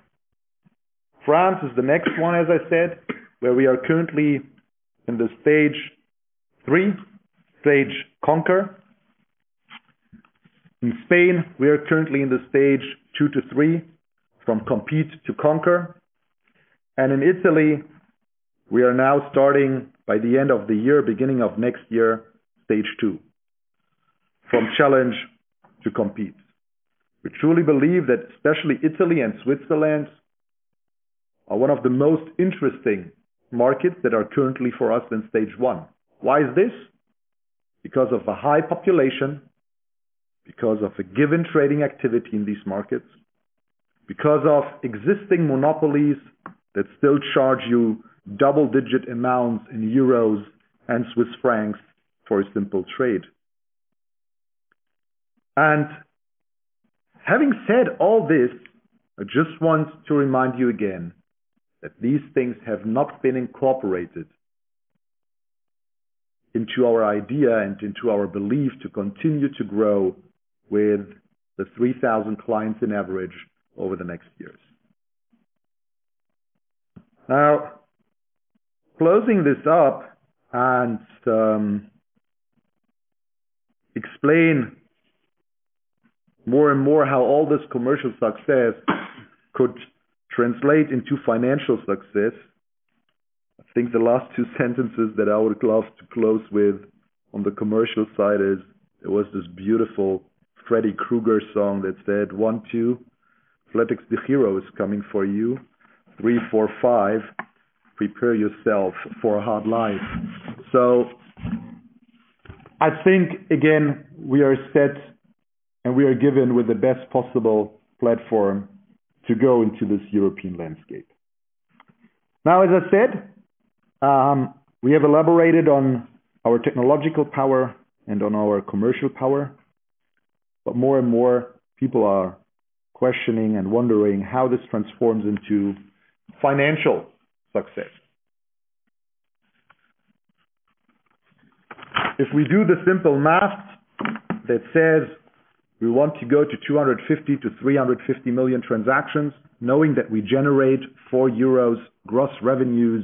France is the next one, as I said, where we are currently in the stage three, stage conquer. In Spain, we are currently in the stage two to three, from compete to conquer. In Italy, we are now starting by the end of the year, beginning of next year, stage two, from challenge to compete. We truly believe that especially Italy and Switzerland are one of the most interesting markets that are currently for us in stage one. Why is this? Because of the high population, because of a given trading activity in these markets, because of existing monopolies that still charge you double-digit amounts in euros and Swiss francs for a simple trade. Having said all this, I just want to remind you again that these things have not been incorporated into our idea and into our belief to continue to grow with the 3,000 clients in average over the next years. Closing this up and explain more and more how all this commercial success could translate into financial success. I think the last two sentences that I would love to close with on the commercial side is, there was this beautiful Freddy Krueger song that said, "One, two, flatexDEGIRO is coming for you. Three, four, five, prepare yourself for a hard life." I think, again, we are set and we are given with the best possible platform to go into this European landscape. As I said, we have elaborated on our technological power and on our commercial power, more and more people are questioning and wondering how this transforms into financial success. If we do the simple math that says we want to go to 250 million-350 million transactions, knowing that we generate 4 euros gross revenues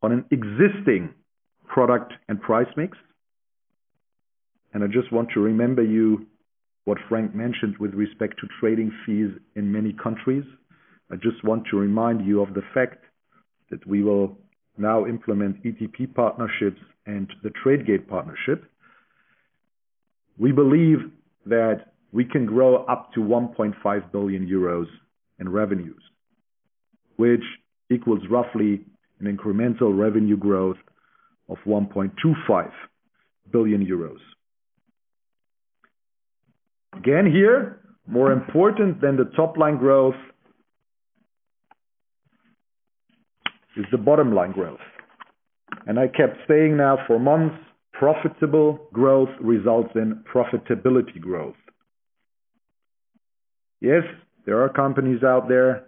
on an existing product and price mix. I just want to remember you what Frank mentioned with respect to trading fees in many countries. I just want to remind you of the fact that we will now implement ETP partnerships and the Tradegate partnership. We believe that we can grow up to 1.5 billion euros in revenues, which equals roughly an incremental revenue growth of 1.25 billion euros. Again, here, more important than the top-line growth is the bottom-line growth. I kept saying that for months, profitable growth results in profitability growth. Yes, there are companies out there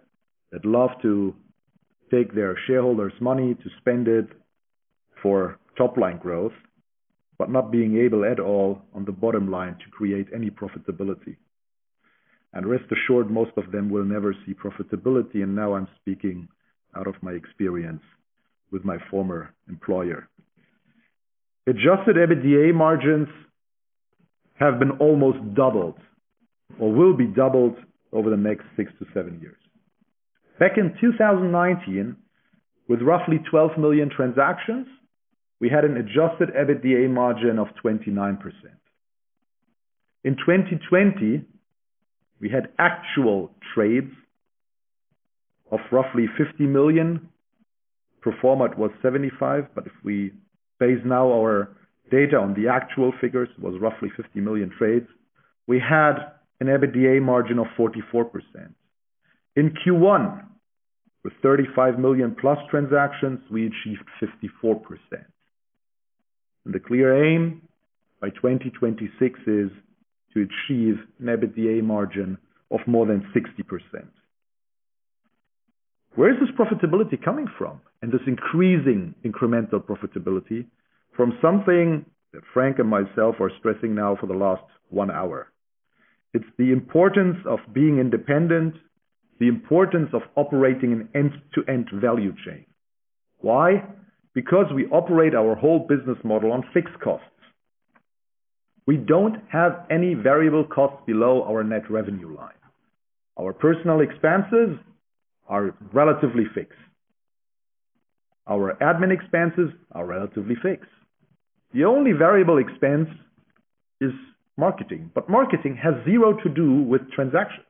that love to take their shareholders' money to spend it for top-line growth, not being able at all on the bottom line to create any profitability. Rest assured, most of them will never see profitability, and now I'm speaking out of my experience with my former employer. Adjusted EBITDA margins have been almost doubled or will be doubled over the next six to seven years. Back in 2019, with roughly 12 million transactions, we had an adjusted EBITDA margin of 29%. In 2020, we had actual trades of roughly 50 million. Pro forma it was 75, if we base now our data on the actual figures, it was roughly 50 million trades. We had an EBITDA margin of 44%. In Q1, with 35+ million transactions, we achieved 64%. The clear aim by 2026 is to achieve an EBITDA margin of more than 60%. Where is this profitability coming from and this increasing incremental profitability? From something that Frank and myself are stressing now for the last one hour. It's the importance of being independent, the importance of operating an end-to-end value chain. Why? Because we operate our whole business model on fixed costs. We don't have any variable costs below our net revenue line. Our personal expenses are relatively fixed. Our admin expenses are relatively fixed. The only variable expense is marketing, but marketing has zero to do with transactions.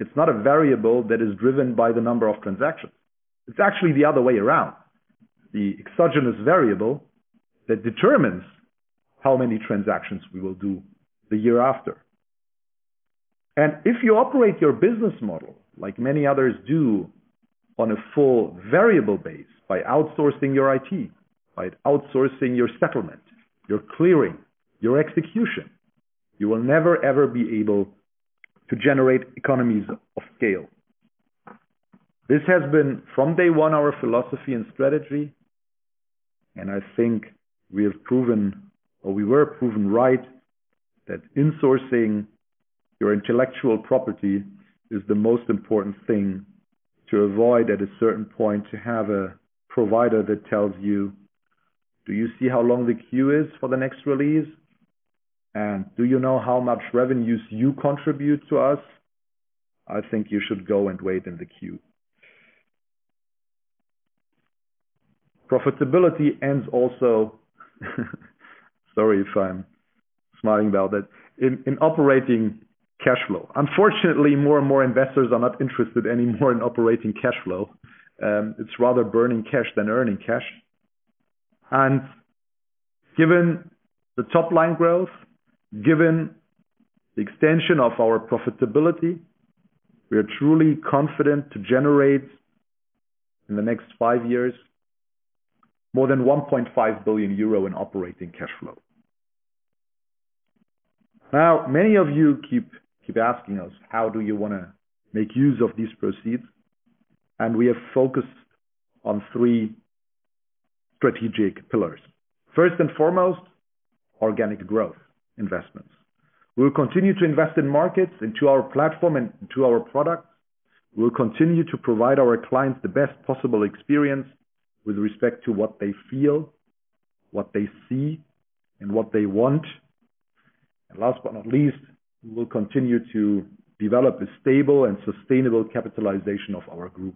It's not a variable that is driven by the number of transactions. It's actually the other way around, the exogenous variable that determines how many transactions we will do the year after. If you operate your business model, like many others do, on a full variable base by outsourcing your IT, by outsourcing your settlement, your clearing, your execution, you will never, ever be able to generate economies of scale. This has been from day one our philosophy and strategy, I think we have proven, or we were proven right, that insourcing your intellectual property is the most important thing to avoid at a certain point to have a provider that tells you, "Do you see how long the queue is for the next release? Do you know how much revenues you contribute to us? I think you should go and wait in the queue." Profitability ends also, sorry if I'm smiling about that, in operating cash flow. Unfortunately, more and more investors are not interested anymore in operating cash flow. It's rather burning cash than earning cash. Given the top-line growth, given the extension of our profitability, we are truly confident to generate in the next five years more than 1.5 billion euro in operating cash flow. Now, many of you keep asking us, how do you want to make use of these proceeds? We are focused on three strategic pillars. First and foremost, organic growth investments. We'll continue to invest in markets, into our platform, and into our products. We'll continue to provide our clients the best possible experience with respect to what they feel, what they see, and what they want. Last but not least, we will continue to develop a stable and sustainable capitalization of our group.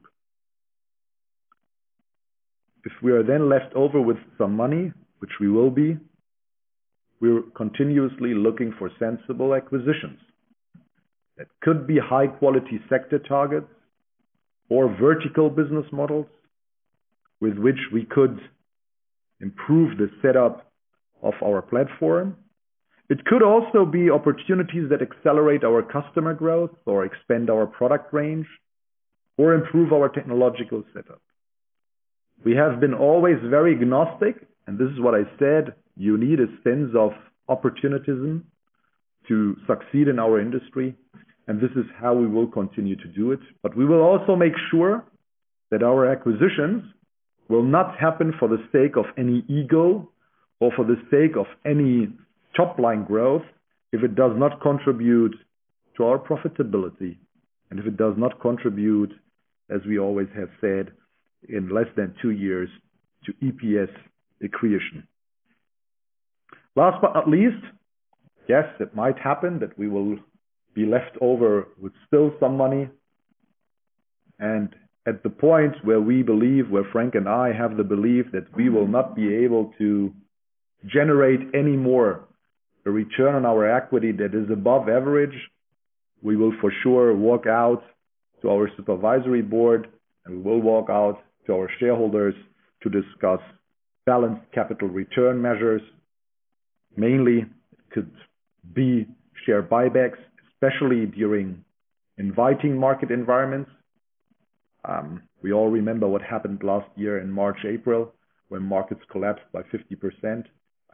If we are then left over with some money, which we will be, we're continuously looking for sensible acquisitions. That could be high-quality sector targets or vertical business models with which we could improve the setup of our platform. It could also be opportunities that accelerate our customer growth or expand our product range or improve our technological setup. We have been always very agnostic, and this is what I said, you need a sense of opportunism to succeed in our industry, and this is how we will continue to do it. We will also make sure that our acquisitions will not happen for the sake of any ego or for the sake of any top-line growth if it does not contribute to our profitability and if it does not contribute, as we always have said, in less than two years to EPS accretion. Last but not least, yes, it might happen that we will be left over with still some money. At the point where we believe, where Frank and I have the belief that we will not be able to generate any more return on our equity that is above average, we will for sure walk out to our supervisory board, and we will walk out to our shareholders to discuss balanced capital return measures. Mainly, it could be share buybacks, especially during inviting market environments. We all remember what happened last year in March, April, when markets collapsed by 50%.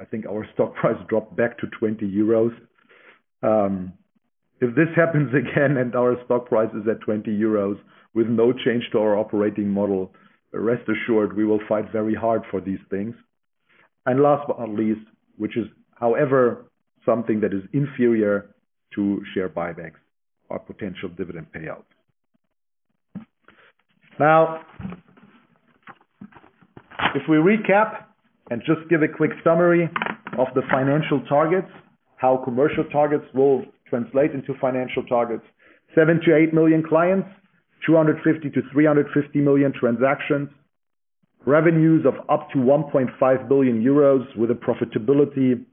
I think our stock price dropped back to 20 euros. If this happens again and our stock price is at 20 euros with no change to our operating model, rest assured, we will fight very hard for these things. Last but not least, which is however, something that is inferior to share buybacks or potential dividend payouts. If we recap and just give a quick summary of the financial targets, how commercial targets will translate into financial targets. 7 million-8 million clients, 250 million-350 million transactions, revenues of up to 1.5 billion euros with a profitability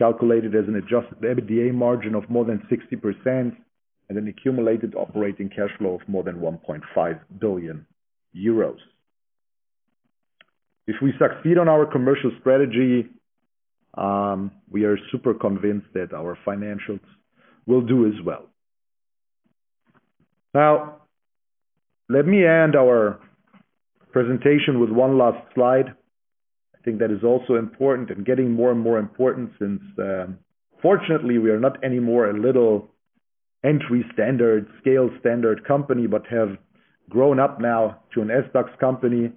calculated as an adjusted EBITDA margin of more than 60%, and an accumulated operating cash flow of more than 1.5 billion euros. If we succeed on our commercial strategy, we are super convinced that our financials will do as well. Let me end our presentation with one last slide. I think that is also important and getting more and more important since, fortunately, we are not anymore a little entry-scale standard company, but have grown up now to an SDAX company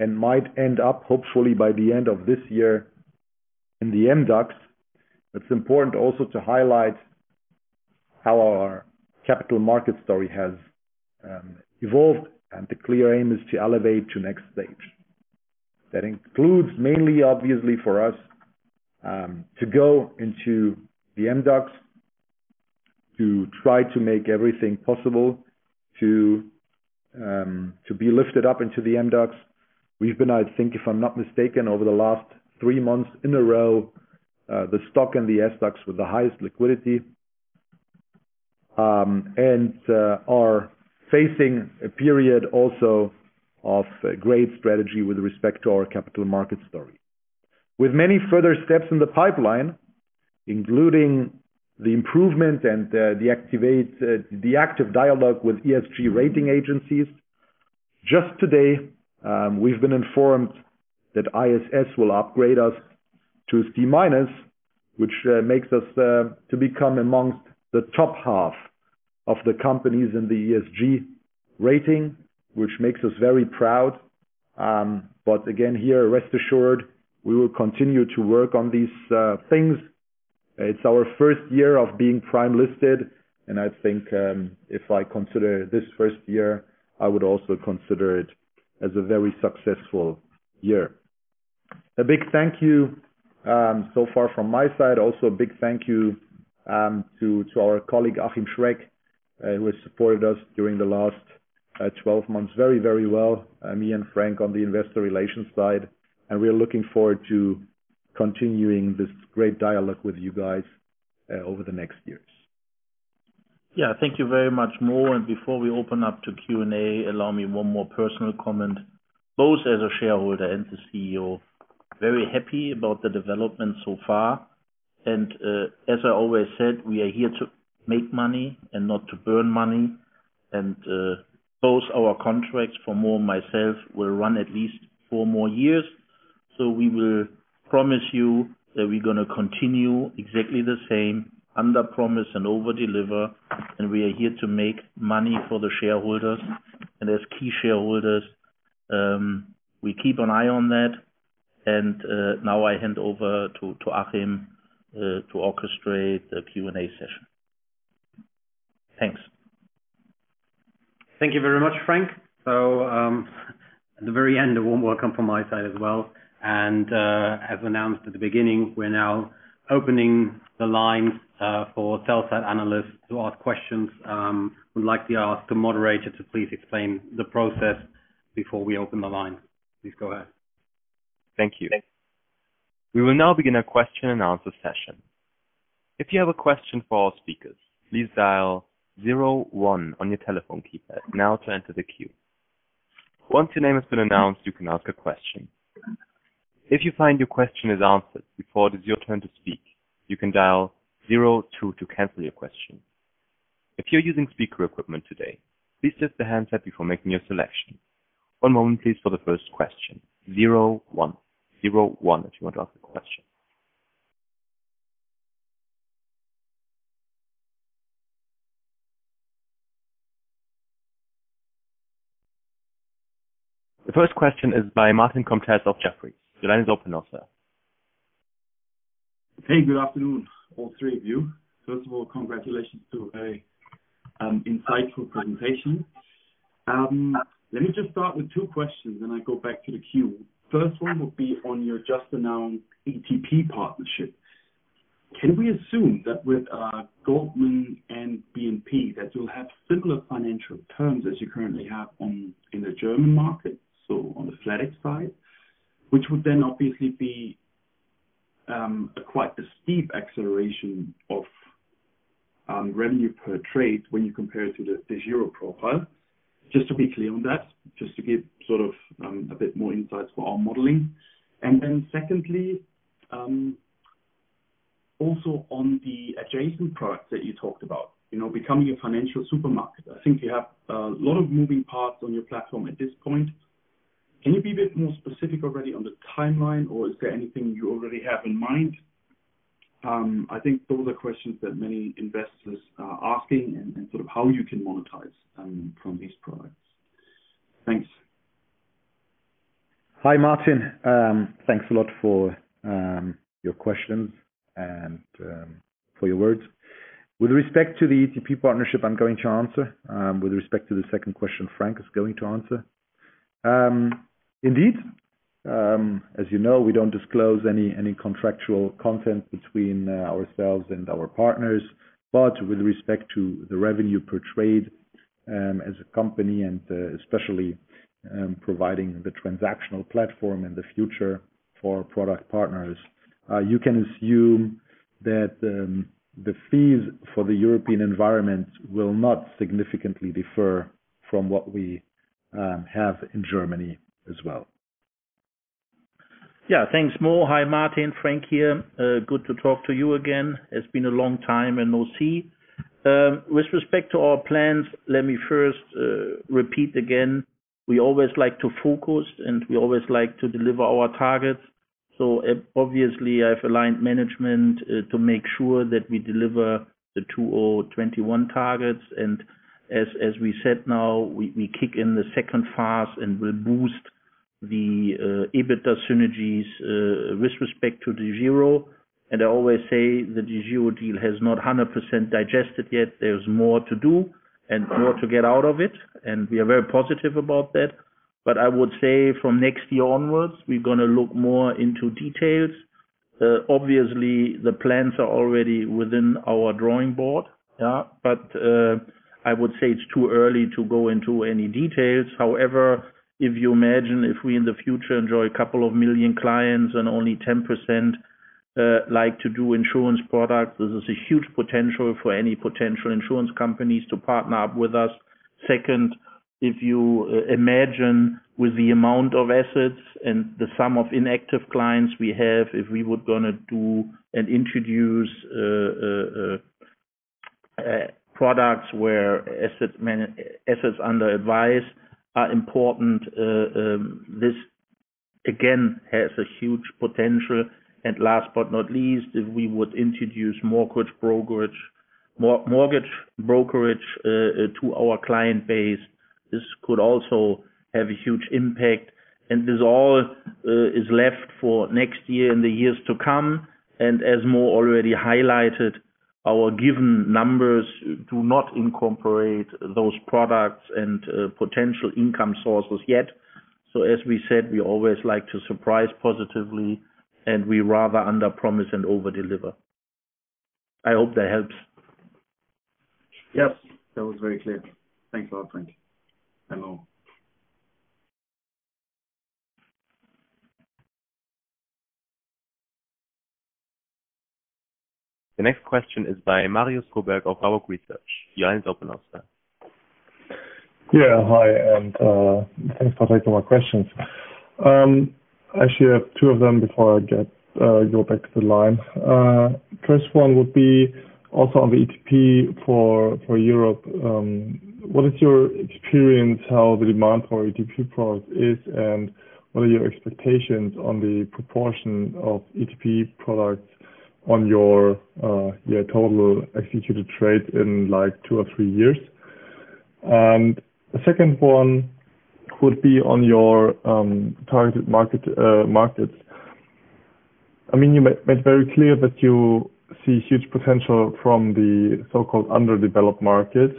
and might end up, hopefully by the end of this year, in the MDAX. It's important also to highlight how our capital market story has evolved, and the clear aim is to elevate to next stage. That includes mainly, obviously for us, to go into the MDAX, to try to make everything possible to be lifted up into the MDAX. We've been, I think, if I'm not mistaken, over the last three months in a row, the stock in the SDAX with the highest liquidity, and are facing a period also of great strategy with respect to our capital market story. With many further steps in the pipeline, including the improvement and the active dialogue with ESG rating agencies. Just today, we've been informed that ISS will upgrade us to C-, which makes us to become amongst the top half of the companies in the ESG rating, which makes us very proud. Again, here, rest assured, we will continue to work on these things. It's our first year of being prime listed, and I think if I consider this first year, I would also consider it as a very successful year. A big thank you so far from my side. Also, a big thank you to our colleague, Achim Schreck, who has supported us during the last 12 months very well, me and Frank on the investor relations side. We're looking forward to continuing this great dialogue with you guys over the next years. Yeah, thank you very much, Mo. Before we open up to Q&A, allow me one more personal comment, both as a shareholder and the CEO. Very happy about the development so far. As I always said, we are here to make money and not to burn money. Both our contracts for Mo and myself will run at least four more years. We will promise you that we're going to continue exactly the same, underpromise and overdeliver, and we are here to make money for the shareholders. As key shareholders, we keep an eye on that. Now I hand over to Achim to orchestrate the Q&A session. Thanks. Thank you very much, Frank. At the very end, a warm welcome from my side as well. As announced at the beginning, we're now opening the lines for sell-side analysts to ask questions. We'd like to ask the moderator to please explain the process before we open the lines. Please go ahead. Thank you. We will now begin a question and answer session. If you have a question for our speakers, please dial zero one on your telephone keypad now to enter the queue. Once your name has been announced, you can ask a question. If you find your question is answered before it is your turn to speak, you can dial zero two to cancel your question. If you're using speaker equipment today, please test the handset before making a selection. One moment, please, for the first question. Zero one. Zero one if you want to ask a question. The first question is by Martin Comtesse of Jefferies. The line's open now, sir. Hey, good afternoon, all three of you. First of all, congratulations to a insightful presentation. Let me just start with two questions, then I go back to the queue. First one would be on your just announced ETP partnership. Can we assume that with Goldman and BNP that you'll have similar financial terms as you currently have in the German market, so on the flatex side? Which would then obviously be quite a steep acceleration of revenue per trade when you compare to the DEGIRO profile. Just to be clear on that, just to give a bit more insight for our modeling. Secondly, also on the adjacent products that you talked about, becoming a financial supermarket. I think you have a lot of moving parts on your platform at this point. Can you be a bit more specific already on the timeline, or is there anything you already have in mind? I think those are questions that many investors are asking and how you can monetize from these products. Thanks. Hi, Martin. Thanks a lot for your questions and for your words. With respect to the ETP partnership, I'm going to answer. With respect to the second question, Frank is going to answer. Indeed, as you know, we don't disclose any contractual content between ourselves and our partners. With respect to the revenue per trade as a company, and especially providing the transactional platform in the future for product partners, you can assume that the fees for the European environment will not significantly differ from what we have in Germany as well. Yeah, thanks Mo. Hi, Martin, Frank here. Good to talk to you again. It's been a long time and no see. With respect to our plans, let me first repeat again, we always like to focus, and we always like to deliver our targets. Obviously, I've aligned management to make sure that we deliver the 2021 targets. As we said, now we kick in the second phase, and we'll boost the EBITDA synergies with respect to DEGIRO. I always say that the DEGIRO deal has not 100% digested yet. There's more to do and more to get out of it, and we are very positive about that. I would say from next year onwards, we're going to look more into details. Obviously, the plans are already within our drawing board. I would say it's too early to go into any details. If you imagine if we in the future enjoy a couple of million clients and only 10% like to do insurance product, this is a huge potential for any potential insurance companies to partner up with us. If you imagine with the amount of assets and the sum of inactive clients we have, if we were going to do and introduce products where assets under advice are important, this again has a huge potential. Last but not least, if we would introduce mortgage brokerage to our client base, this could also have a huge impact. This all is left for next year and the years to come. As Mo already highlighted, our given numbers do not incorporate those products and potential income sources yet. As we said, we always like to surprise positively, and we rather underpromise and overdeliver. I hope that helps. Yes, that was very clear. Thanks a lot, Frank. Hello. The next question is by Marius Fuhrberg of Warburg Research. The line is open, sir. Yeah. Hi, and thanks for taking my questions. Actually, I have two of them before I go back to the line. First one would be also on the ETP for Europe. What is your experience how the demand for ETP products is, and what are your expectations on the proportion of ETP products on your total executed trade in two or three years? The second one would be on your target market. You made very clear that you see huge potential from the so-called underdeveloped market.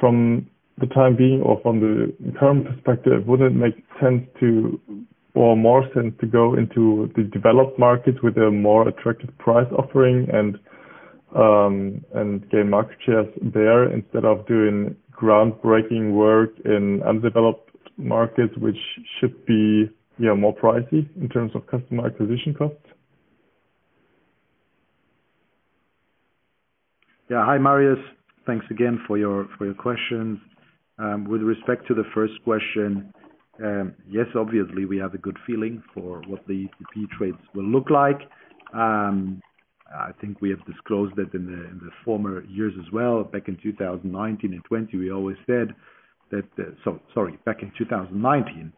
From the time being or from the current perspective, would it make more sense to go into the developed market with a more attractive price offering and gain market shares there instead of doing groundbreaking work in underdeveloped markets, which should be more pricey in terms of customer acquisition costs? Hi, Marius. Thanks again for your questions. With respect to the first question, yes, obviously, we have a good feeling for what the ETP trades will look like. I think we have disclosed it in the former years as well. Sorry, back in 2019,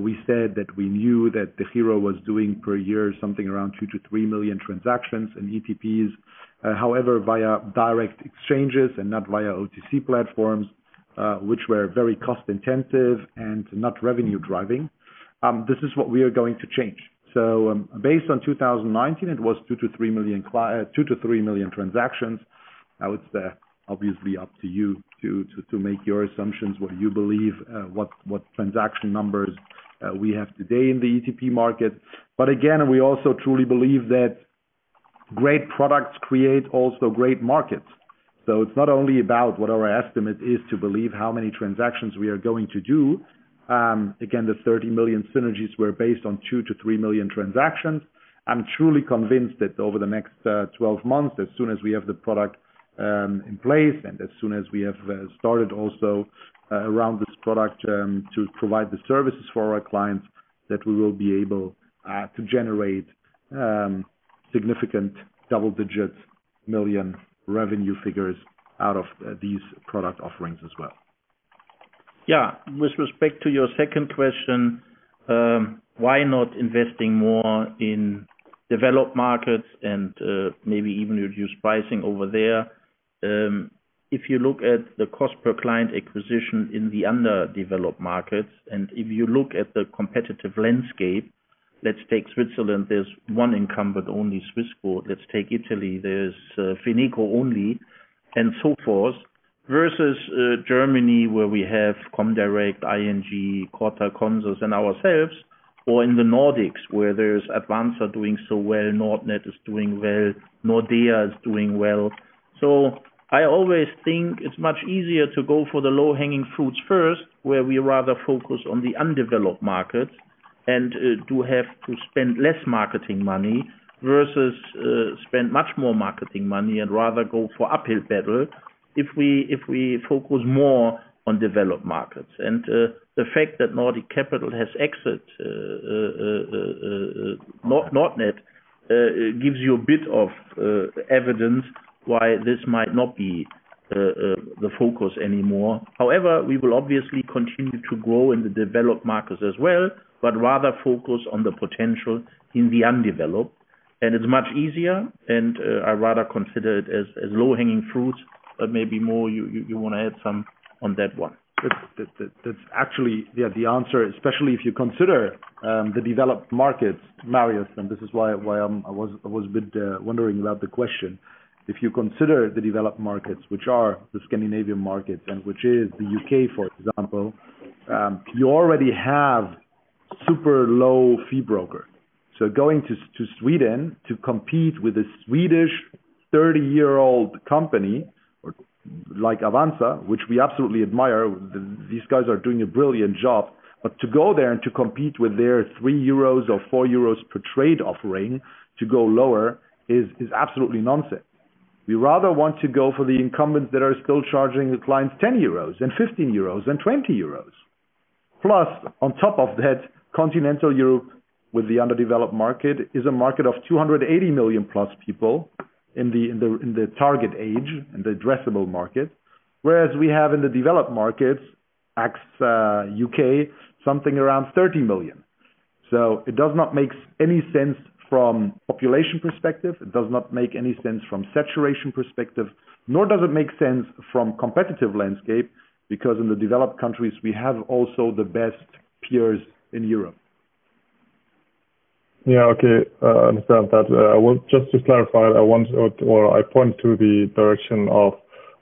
we said that we knew that DEGIRO was doing per year something around 2 million-3 million transactions and ETPs. However, via direct exchanges and not via OTC platforms, which were very cost-intensive and not revenue-driving. This is what we are going to change. Based on 2019, it was 2 million-3 million transactions. Now it's obviously up to you to make your assumptions, what you believe, what transaction numbers we have today in the ETP market. Again, we also truly believe that great products create also great markets. It's not only about what our estimate is to believe how many transactions we are going to do. Again, the 30 million synergies were based on 2 million-3 million transactions. I'm truly convinced that over the next 12 months, as soon as we have the product in place and as soon as we have started also around this product to provide the services for our clients, that we will be able to generate significant double-digit million revenue figures out of these product offerings as well. With respect to your second question, why not investing more in developed markets and maybe even reduce pricing over there? If you look at the cost per client acquisition in the undeveloped markets, and if you look at the competitive landscape, let's take Switzerland, there's one incumbent, only Swissquote. Let's take Italy, there's Fineco only, and so forth, versus Germany, where we have Comdirect, ING, Cortal Consors, and ourselves, or in the Nordics, where there's Avanza doing so well, Nordnet is doing well, Nordea is doing well. I always think it's much easier to go for the low-hanging fruits first, where we rather focus on the undeveloped markets and do have to spend less marketing money versus spend much more marketing money and rather go for uphill battle if we focus more on developed markets. The fact that Nordic Capital has exited Nordnet gives you a bit of evidence why this might not be the focus anymore. We will obviously continue to grow in the developed markets as well, but rather focus on the potential in the undeveloped. It's much easier, and I rather consider it as low-hanging fruit. Maybe you want to add some on that one. That's actually the answer, especially if you consider the developed markets, Marius, and this is why I was a bit wondering about the question. If you consider the developed markets, which are the Scandinavian markets and which is the U.K., for example, you already have super low fee brokers. Going to Sweden to compete with a Swedish 30-year-old company like Avanza, which we absolutely admire, these guys are doing a brilliant job. To go there and to compete with their 3 euros or 4 euros per trade offering to go lower is absolutely nonsense. We rather want to go for the incumbents that are still charging the clients 10 euros and 15 euros and 20 euros. Plus, on top of that, continental Europe with the underdeveloped market is a market of 280+ million people in the target age, in the addressable market. We have in the developed markets, ex U.K., something around 30 million. It does not make any sense from population perspective, it does not make any sense from saturation perspective, nor does it make sense from competitive landscape, because in the developed countries, we have also the best peers in Europe. Yeah. Okay, I understand that. Just to clarify, I want to point to the direction of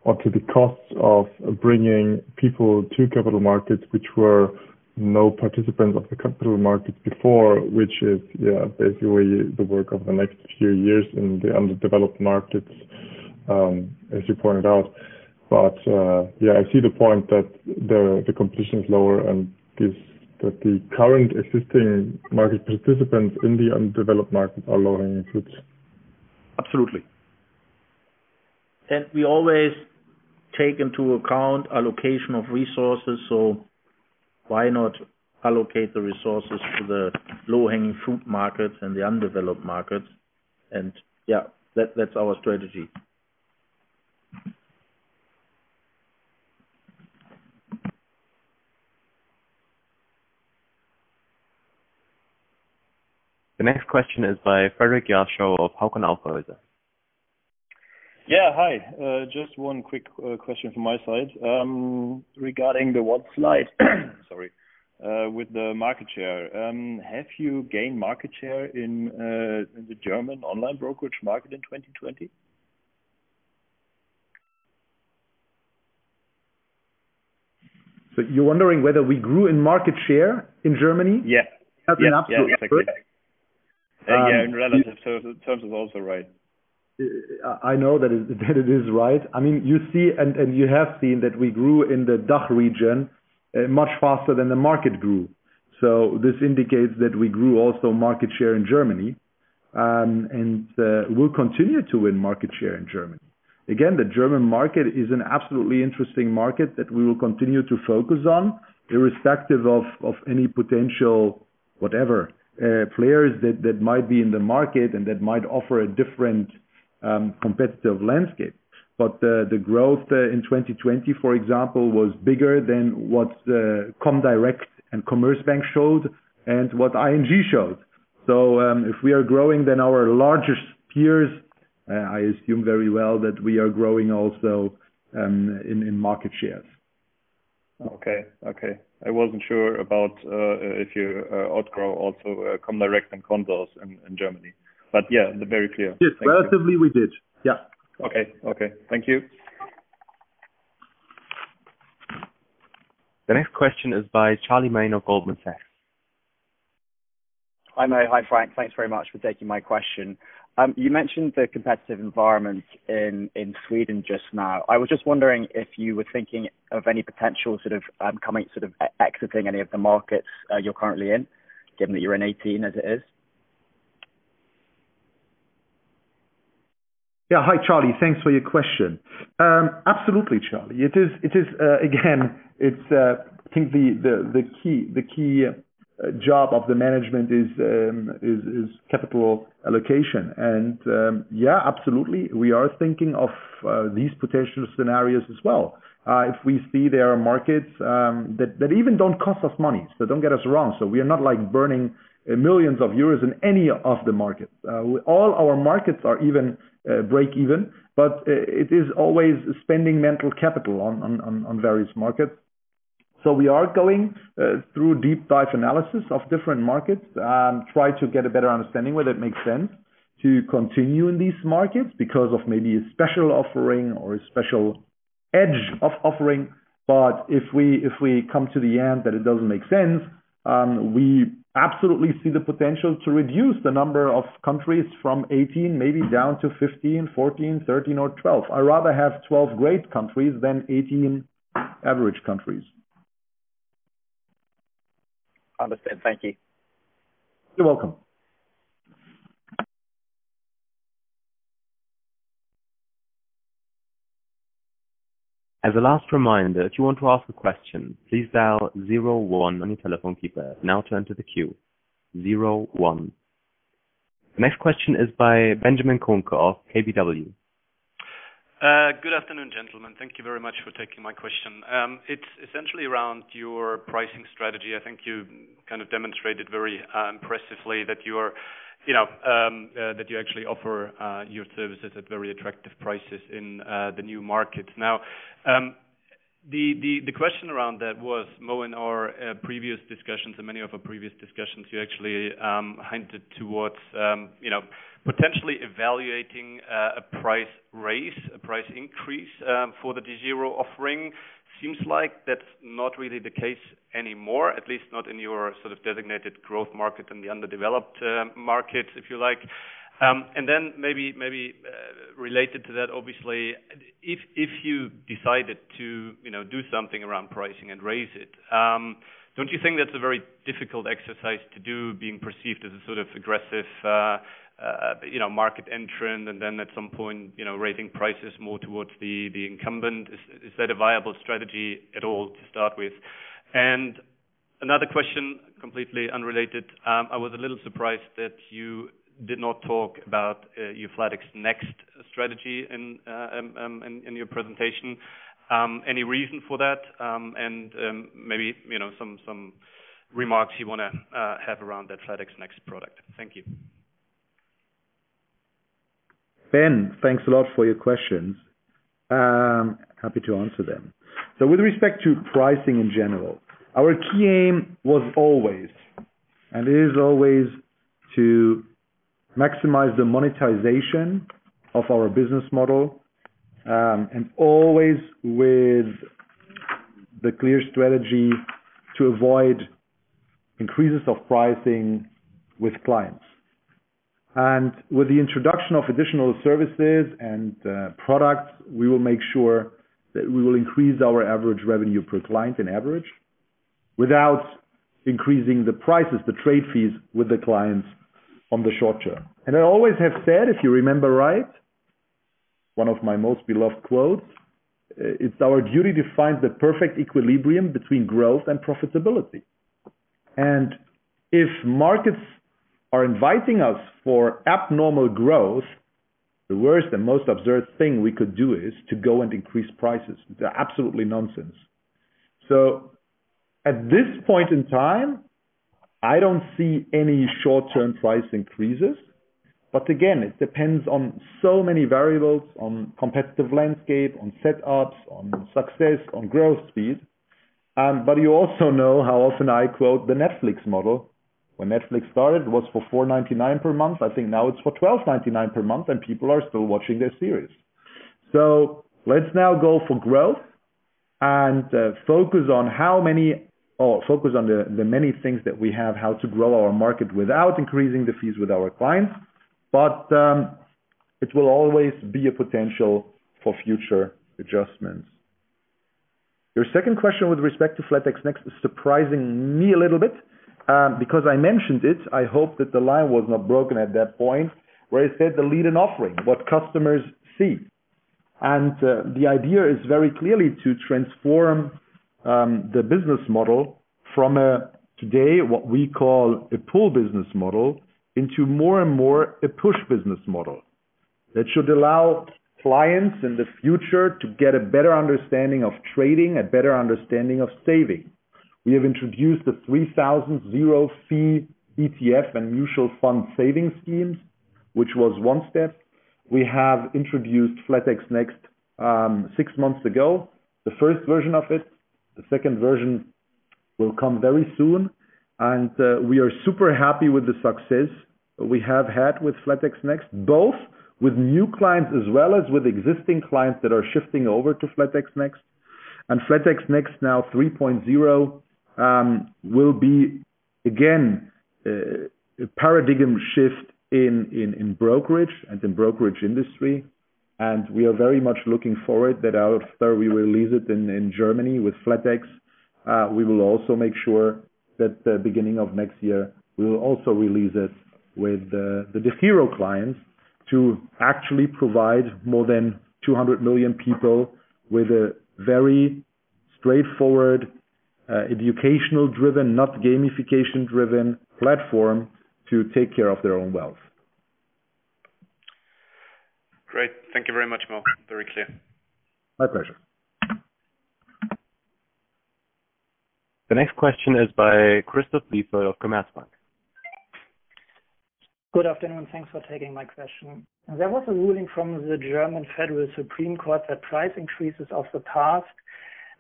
the cost of bringing people to capital markets, which were no participant of the capital markets before, which is basically the work of the next few years in the underdeveloped markets, as you pointed out. I see the point that the competition is lower and that the current existing market participants in the undeveloped markets are lower hanging fruits. Absolutely. Yes, we always take into account allocation of resources, so why not allocate the resources to the low-hanging fruit markets and the undeveloped markets? Yeah, that's our strategy. The next question is by Frederik Jarchow of Hauck & Aufhäuser. Yeah, hi. Just one quick question from my side regarding the one slide sorry, with the market share. Have you gained market share in the German online brokerage market in 2020? You're wondering whether we grew in market share in Germany? Yeah. Okay. In relative terms is also right. I know that it is right. You see, and you have seen that we grew in the DACH region much faster than the market grew. This indicates that we grew also market share in Germany, and we'll continue to win market share in Germany. Again, the German market is an absolutely interesting market that we will continue to focus on, irrespective of any potential, whatever, players that might be in the market and that might offer a different competitive landscape. The growth in 2020, for example, was bigger than what Comdirect and Commerzbank showed and what ING showed. If we are growing than our largest peers, I assume very well that we are growing also in market shares. Okay. I wasn't sure about if you outgrew also Comdirect and Consors in Germany. Yeah, very clear. Thank you. Yes. Absolutely, we did. Yeah. Okay. Thank you. The next question is by Charlie Mayne of Goldman Sachs. Hi, Mo Hi, Frank. Thanks very much for taking my question. You mentioned the competitive environment in Sweden just now. I was just wondering if you were thinking of any potential exiting any of the markets you're currently in, given that you're in 18 as it is. Yeah. Hi, Charlie. Thanks for your question. Absolutely, Charlie. Again, I think the key job of the management is capital allocation. Yeah, absolutely, we are thinking of these potential scenarios as well. If we see there are markets that even don't cost us money. Don't get us wrong. We are not burning millions of euros in any of the markets. All our markets are even break-even, it is always spending mental capital on various markets. We are going through deep-dive analysis of different markets, try to get a better understanding whether it makes sense to continue in these markets because of maybe a special offering or a special edge of offering. If we come to the end that it doesn't make sense, we absolutely see the potential to reduce the number of countries from 18 maybe down to 15, 14, 13, or 12. I rather have 12 great countries than 18 average countries. Understood. Thank you. You're welcome. Next question is by Benjamin Kohnke of KBW. Good afternoon, gentlemen. Thank you very much for taking my question. It's essentially around your pricing strategy. I think you kind of demonstrated very impressively that you actually offer your services at very attractive prices in the new markets. Now, the question around that was, Mo, in our previous discussions and many of our previous discussions, you actually hinted towards potentially evaluating a price raise, a price increase for the DEGIRO offering. Seems like that's not really the case anymore, at least not in your sort of designated growth market and the underdeveloped markets, if you like. Maybe related to that, obviously, if you decided to do something around pricing and raise it, don't you think that's a very difficult exercise to do, being perceived as a sort of aggressive market entrant and then at some point raising prices more towards the incumbent? Is that a viable strategy at all to start with? Another question, completely unrelated, I was a little surprised that you did not talk about your flatex next strategy in your presentation. Any reason for that? Maybe some remarks you want to have around that flatex next product. Thank you. Ben, thanks a lot for your questions. Happy to answer them. With respect to pricing in general, our key aim was always, and it is always, to maximize the monetization of our business model, always with the clear strategy to avoid increases of pricing with clients. With the introduction of additional services and products, we will make sure that we will increase our average revenue per client on average without increasing the prices, the trade fees with the clients on the short term. I always have said, if you remember right, one of my most beloved quotes, it's our duty to find the perfect equilibrium between growth and profitability. If markets are inviting us for abnormal growth, the worst and most absurd thing we could do is to go and increase prices, which are absolutely nonsense. At this point in time, I don't see any short-term price increases. Again, it depends on so many variables, on competitive landscape, on set ups, on success, on growth speed. You also know how often I quote the Netflix model. When Netflix started, it was for $4.99 per month. I think now it's for $12.99 per month, and people are still watching their series. Let's now go for growth and focus on the many things that we have, how to grow our market without increasing the fees with our clients. It will always be a potential for future adjustments. Your second question with respect to flatex Next is surprising me a little bit because I mentioned it, I hope that the line was not broken at that point, where I said the lead in offering, what customers see. The idea is very clearly to transform the business model from a today, what we call a pull business model, into more and more a push business model that should allow clients in the future to get a better understanding of trading, a better understanding of saving. We have introduced the 3,000 zero fee ETF and mutual fund saving schemes, which was one step. We have introduced flatex Next six months ago, the first version of it. The second version will come very soon. We are super happy with the success that we have had with flatex Next, both with new clients as well as with existing clients that are shifting over to flatex next. flatex next 3.0 will be again a paradigm shift in brokerage and in brokerage industry, and we are very much looking forward that after we release it in Germany with flatex, we will also make sure that the beginning of next year, we will also release it with the DEGIRO clients. To actually provide more than 200 million people with a very straightforward educational-driven, not gamification-driven platform to take care of their own wealth. Great. Thank you very much, Mo. Very clear. My pleasure. The next question is by Christoph Blieffert of Commerzbank. Good afternoon, thanks for taking my question. There was a ruling from the German Federal Supreme Court that price increases of the past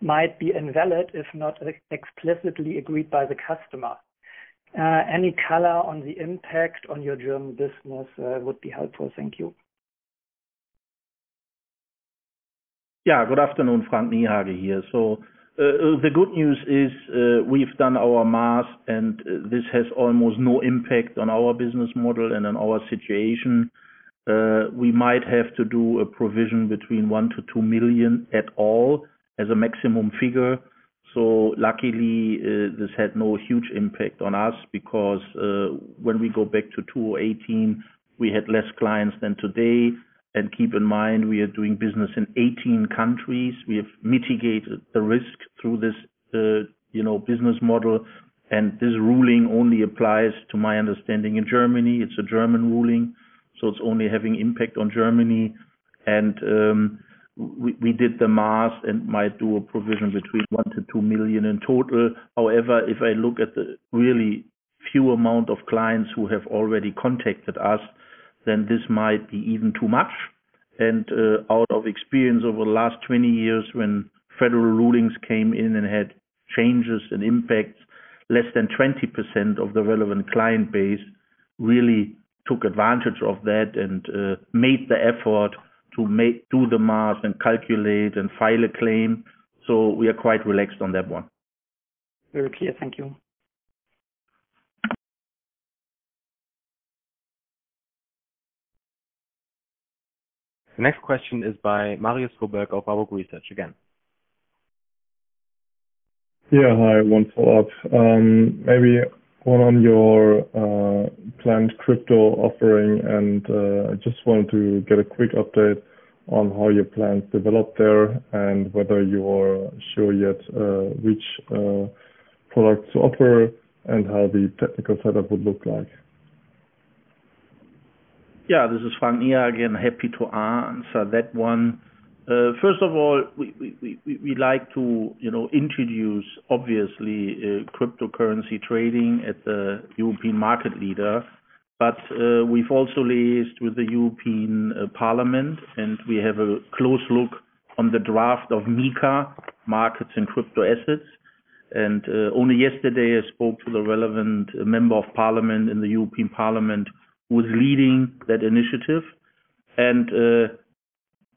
might be invalid, if not explicitly agreed by the customer. Any color on the impact on your German business would be helpful. Thank you. Yeah. Good afternoon. Frank Niehage here. The good news is we've done our math and this has almost no impact on our business model and on our situation. We might have to do a provision between 1 million-2 million at all as a maximum figure. Luckily, this had no huge impact on us because when we go back to 2018, we had less clients than today. Keep in mind, we are doing business in 18 countries. We have mitigated the risk through this business model, and this ruling only applies to my understanding in Germany. It's a German ruling, so it's only having impact on Germany. We did the math and might do a provision between 1 million- 2 million in total. However, if I look at the really few amount of clients who have already contacted us, then this might be even too much. Out of experience over the last 20 years when federal rulings came in and had changes and impacts, less than 20% of the relevant client base really took advantage of that and made the effort to do the math and calculate and file a claim. We are quite relaxed on that one. Very clear. Thank you. The next question is by Marius Fuhrberg of Warburg Research again. Yeah. Hi, thanks a lot. Maybe one on your planned crypto offering and just wanted to get a quick update on how your plans developed there and whether you are sure yet which products to offer and how the technical setup would look like? This is Frank Niehage. Happy to answer that one. First of all, we like to introduce, obviously, cryptocurrency trading at the European market leader. We've also liaised with the European Parliament, and we have a close look on the draft of MiCA, Markets in Crypto-Assets. Only yesterday, I spoke to the relevant Member of Parliament in the European Parliament who is leading that initiative.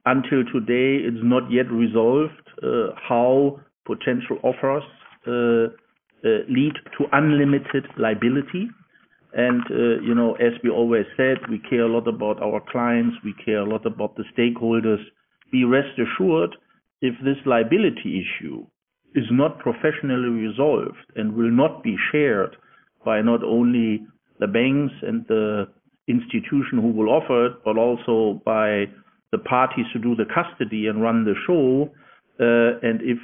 Until today, it's not yet resolved how potential offers lead to unlimited liability. As we always said, we care a lot about our clients. We care a lot about the stakeholders. Be rest assured, if this liability issue is not professionally resolved and will not be shared by not only the banks and the institution who will offer it, but also by the parties who do the custody and run the show and if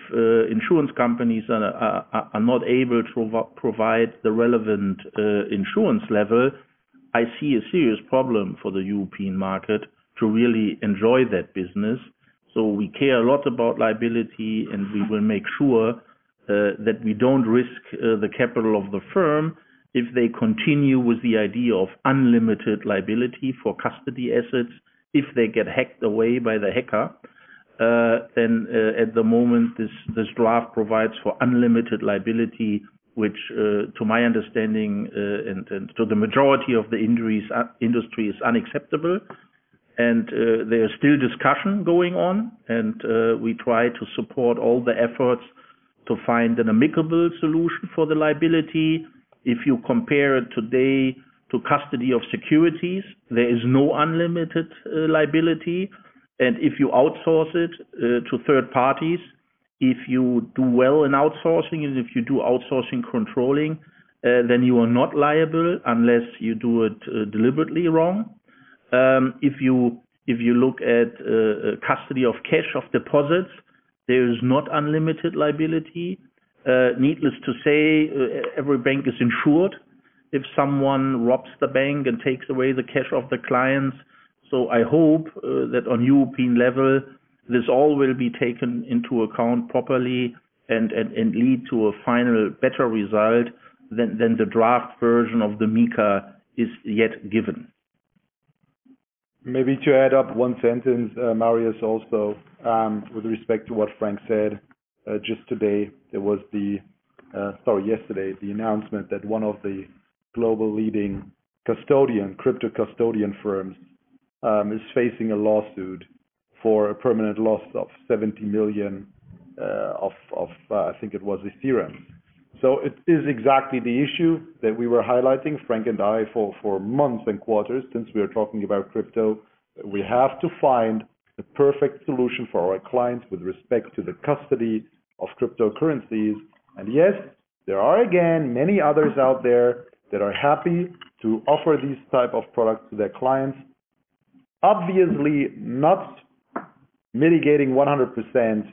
insurance companies are not able to provide the relevant insurance level, I see a serious problem for the European market to really enjoy that business. We care a lot about liability, and we will make sure that we don't risk the capital of the firm if they continue with the idea of unlimited liability for custody assets, if they get hacked away by the hacker. At the moment, this draft provides for unlimited liability, which to my understanding and to the majority of the industry is unacceptable. There's still discussion going on, and we try to support all the efforts to find an amicable solution for the liability. If you compare it today to custody of securities, there is no unlimited liability. If you outsource it to third parties, if you do well in outsourcing and if you do outsourcing controlling, then you are not liable unless you do it deliberately wrong. If you look at custody of cash, of deposits, there is not unlimited liability. Needless to say, every bank is insured if someone robs the bank and takes away the cash of the clients. I hope that on European level, this all will be taken into account properly and lead to a final better result than the draft version of the MiCA is yet given. Maybe to add up one sentence, Marius, also with respect to what Frank said just today, yesterday, the announcement that one of the global leading crypto custodian firms is facing a lawsuit for a permanent loss of 70 million, of I think it was Ethereum. It is exactly the issue that we were highlighting, Frank and I, for months and quarters since we are talking about crypto, that we have to find the perfect solution for our clients with respect to the custody of cryptocurrencies. Yes, there are again, many others out there that are happy to offer these type of products to their clients. Obviously not mitigating 100%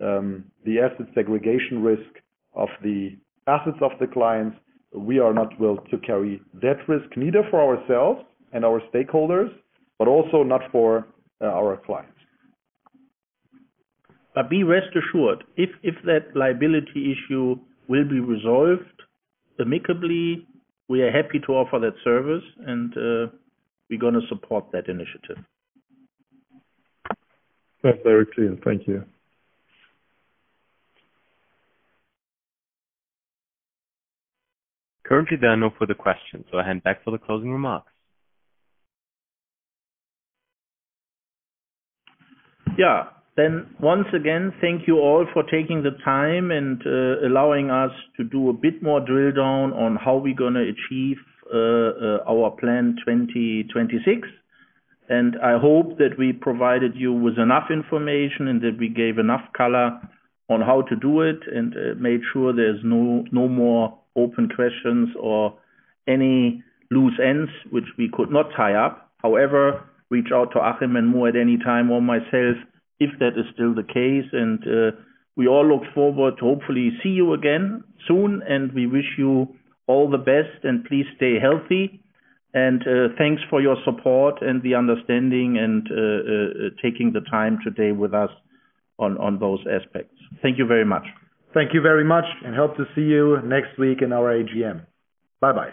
the asset segregation risk of the assets of the clients. We are not willing to carry that risk, neither for ourselves and our stakeholders, but also not for our clients. Be rest assured, if that liability issue will be resolved amicably, we are happy to offer that service and we're going to support that initiative. That's very clear. Thank you. Currently there are no further questions, so I hand back for the closing remarks. Yeah. Once again, thank you all for taking the time and allowing us to do a bit more drill down on how we're going to achieve our Plan 2026. I hope that we provided you with enough information and that we gave enough color on how to do it and made sure there's no more open questions or any loose ends which we could not tie up. However, reach out to Achim and Mo at any time or myself if that is still the case. We all look forward to hopefully see you again soon, and we wish you all the best, and please stay healthy. Thanks for your support and the understanding and taking the time today with us on those aspects. Thank you very much. Thank you very much, and hope to see you next week in our AGM. Bye-bye.